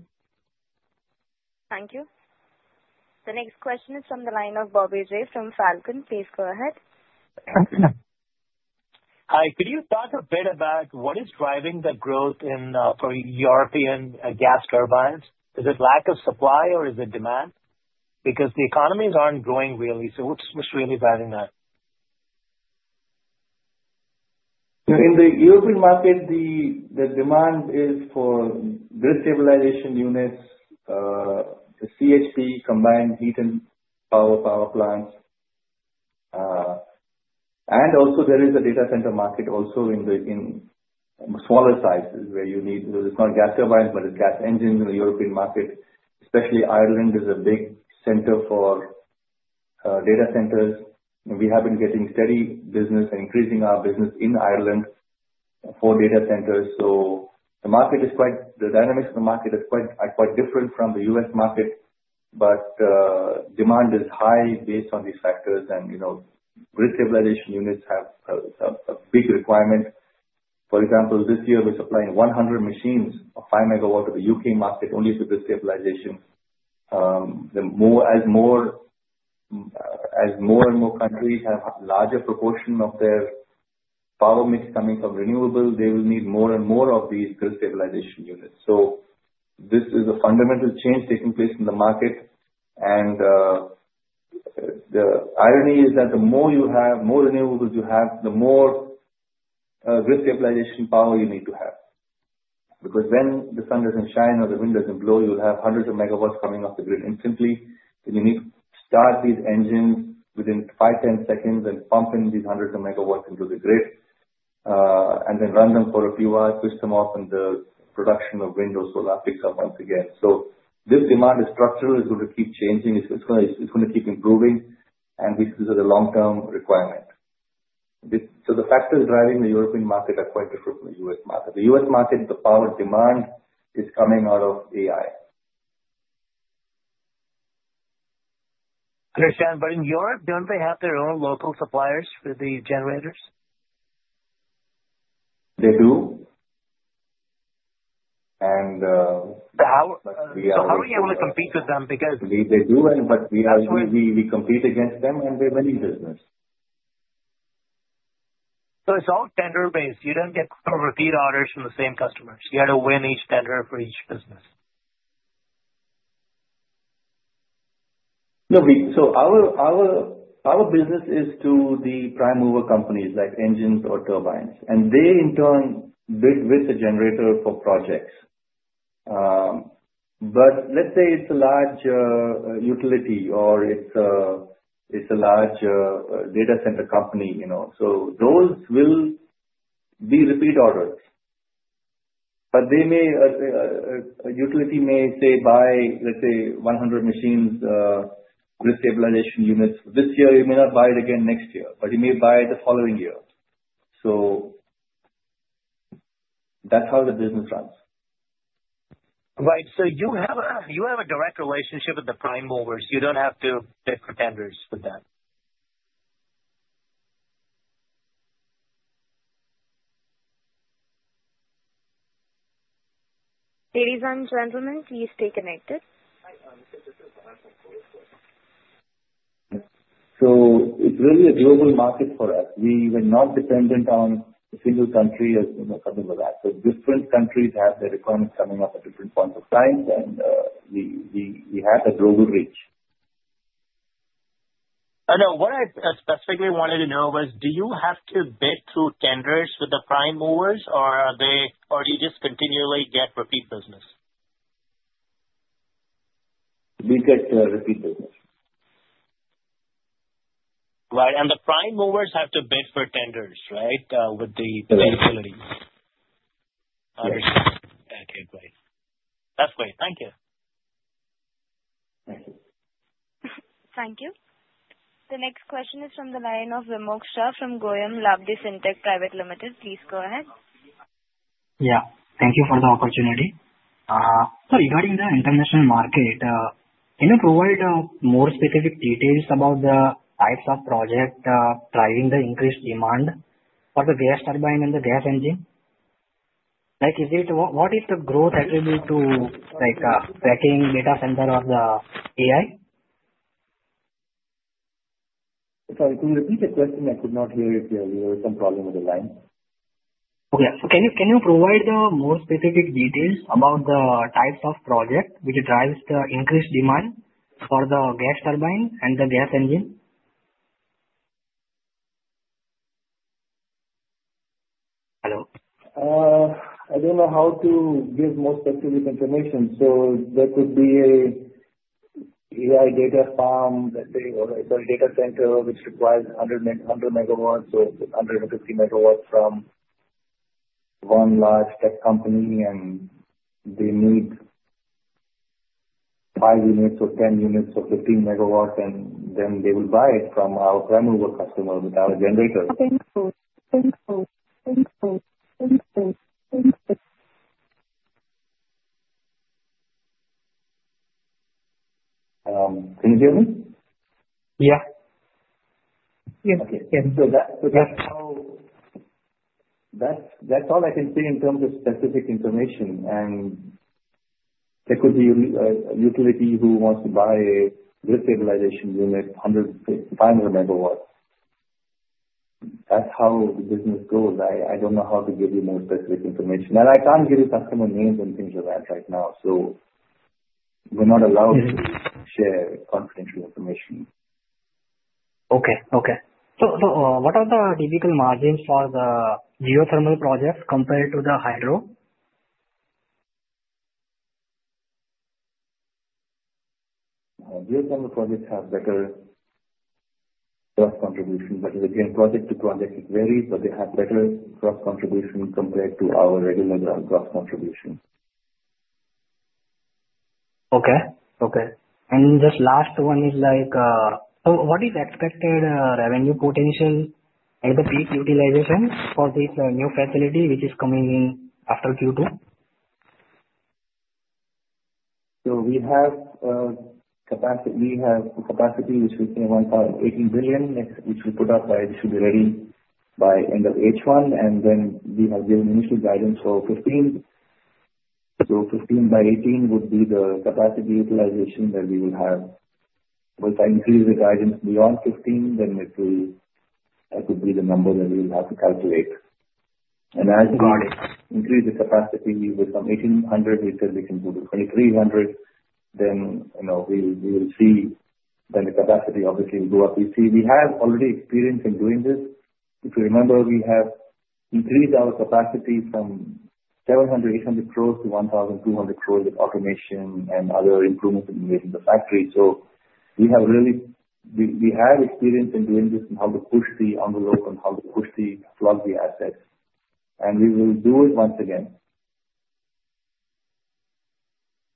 Thank you. The next question is from the line of Bobby Jay from Falcon. Please go ahead. Hi. Could you talk a bit about what is driving the growth for European gas turbines? Is it lack of supply or is it demand? Because the economies aren't growing really, so what's really driving that? In the European market, the demand is for grid stabilization units, the CHP, combined heat and power plants. Also there is a data center market also in smaller sizes where you need, because it's not gas turbines, but it's gas engines in the European market. Especially Ireland is a big center for data centers, and we have been getting steady business and increasing our business in Ireland for data centers. The dynamics of the market are quite different from the U.S. market. Demand is high based on these factors and grid stabilization units have a big requirement. For example, this year we're supplying 100 machines of 5 MW to the U.K. market only for grid stabilization. As more and more countries have larger proportion of their power mix coming from renewables, they will need more and more of these grid stabilization units. This is a fundamental change taking place in the market. The irony is that the more renewables you have, the more grid stabilization power you need to have. When the sun doesn't shine or the wind doesn't blow, you'll have hundreds of megawatts coming off the grid instantly, you need to start these engines within five, 10 seconds and pump in these hundreds of megawatts into the grid, run them for a few hours, switch them off, and the production of wind or solar picks up once again. This demand is structural. It's going to keep changing. It's going to keep improving. This is a long-term requirement. The factors driving the European market are quite different from the U.S. market. The U.S. market, the power demand is coming out of AI. I understand, in Europe, don't they have their own local suppliers for these generators? They do. How are you able to compete with them? They do, we compete against them, and we win business. It's all tender-based. You don't get repeat orders from the same customers. You have to win each tender for each business. No. Our business is to the prime mover companies, like engines or turbines, and they in turn bid with the generator for projects. Let's say it's a large utility or it's a large data center company. Those will be repeat orders. A utility may, say, buy, let's say, 100 machines, grid stabilization units this year. It may not buy it again next year, but it may buy it the following year. That's how the business runs. Right. You have a direct relationship with the prime movers. You don't have to bid for tenders for them. Ladies and gentlemen, please stay connected. It's really a global market for us. We were not dependent on a single country as some of our peers. Different countries have their economies coming up at different points of time. We have a global reach. I know. What I specifically wanted to know was, do you have to bid through tenders with the prime movers, or do you just continually get repeat business? We get repeat business. Right. The prime movers have to bid for tenders, right with the utilities? Correct. Understood. Okay, great. That's great. Thank you. Thank you. Thank you. The next question is from the line of Limog Sha from Goyam Labdi Syntech Private Limited. Please go ahead. Yeah. Thank you for the opportunity. Regarding the international market, can you provide more specific details about the types of project driving the increased demand for the gas turbine and the gas engine? What is the growth attribute to tracking data center or the AI? Sorry. Can you repeat the question? I could not hear you. We have some problem with the line. Okay. Can you provide more specific details about the types of projects which drives the increased demand for the gas turbine and the gas engine? I don't know how to give more specific information. There could be an AI data farm, let's say, or a data center which requires 100 megawatts or 150 megawatts from one large tech company, and they need five units or 10 units of 15 megawatts, they will buy it from our renewable customers without a generator. Can you hear me? Yeah. Okay. That's all I can say in terms of specific information. There could be a utility who wants to buy grid stabilization unit, 500 megawatts. That's how the business goes. I don't know how to give you more specific information. I can't give you customer names and things like that right now, we're not allowed to share confidential information. Okay. What are the typical margins for the geothermal projects compared to the hydro? Geothermal projects have better cross-contribution. Again, project to project it varies, they have better cross-contribution compared to our regular cross-contribution. Okay. Just last one is, what is expected revenue potential at the peak utilizations for this new facility which is coming in after Q2? We have the capacity which is 1.18 billion, which we put up. It should be ready by end of H1, we have given initial guidance for 15. 15 by 18 would be the capacity utilization that we would have. Once I increase the guidance beyond 15, that could be the number that we will have to calculate. As we increase the capacity from 1,800, we said we can do the 2,300. We will see when the capacity obviously will go up. We have already experience in doing this. If you remember, we have increased our capacity from 700 crores, 800 crores to 1,200 crores with automation and other improvements we made in the factory. We have experience in doing this and how to push the envelope and how to push the plug, the assets. We will do it once again.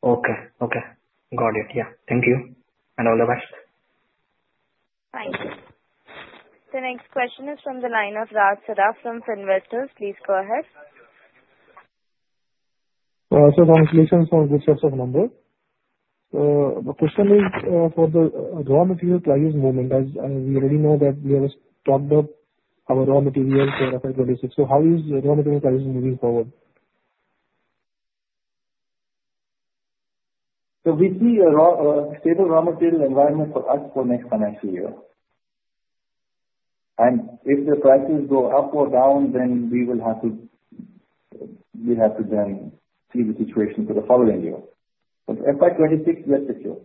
Okay. Got it. Yeah. Thank you. All the best. Thank you. The next question is from the line of Raj Sara from Finninvestors. Please go ahead. Sir, congratulations on good set of numbers. The question is for the raw material prices movement, as we already know that we have stocked up our raw material for FY 2026. How is your raw material prices moving forward? We see a stable raw material environment for us for next financial year. If the prices go up or down, then we have to then see the situation for the following year. FY 2026, we are secure.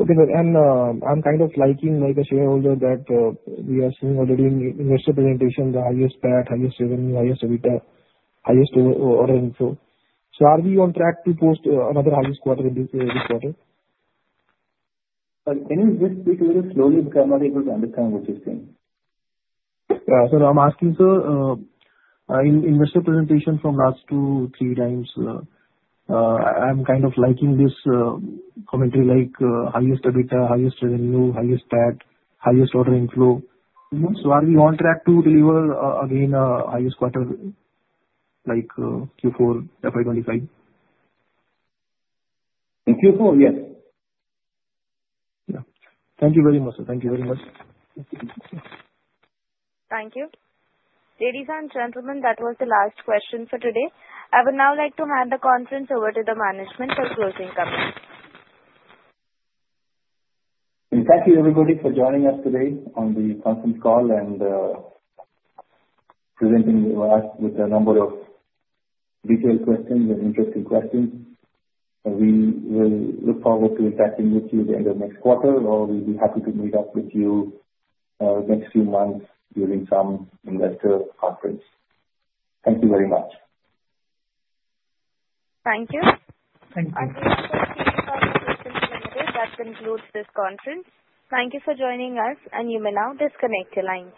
Okay. I'm kind of liking, like a shareholder, that we are seeing already in investor presentation, the highest PAT, highest revenue, highest EBITDA, highest order inflow. Are we on track to post another highest quarter in this quarter? Can you just speak a little slowly because I'm not able to understand what you're saying. Yeah. I'm asking, sir, in investor presentation from last two, three times, I'm kind of liking this commentary like highest EBITDA, highest revenue, highest PAT, highest order inflow. Are we on track to deliver again highest quarter like Q4 FY 2025? In Q4? Yes. Yeah. Thank you very much, sir. Thank you. Ladies and gentlemen, that was the last question for today. I would now like to hand the conference over to the management for closing comments. Thank you, everybody, for joining us today on the conference call and presenting us with a number of detailed questions and interesting questions. We will look forward to interacting with you at the end of next quarter, or we'll be happy to meet up with you next few months during some investor conference. Thank you very much. Thank you. Thank you. That concludes this conference. Thank you for joining us. You may now disconnect your lines.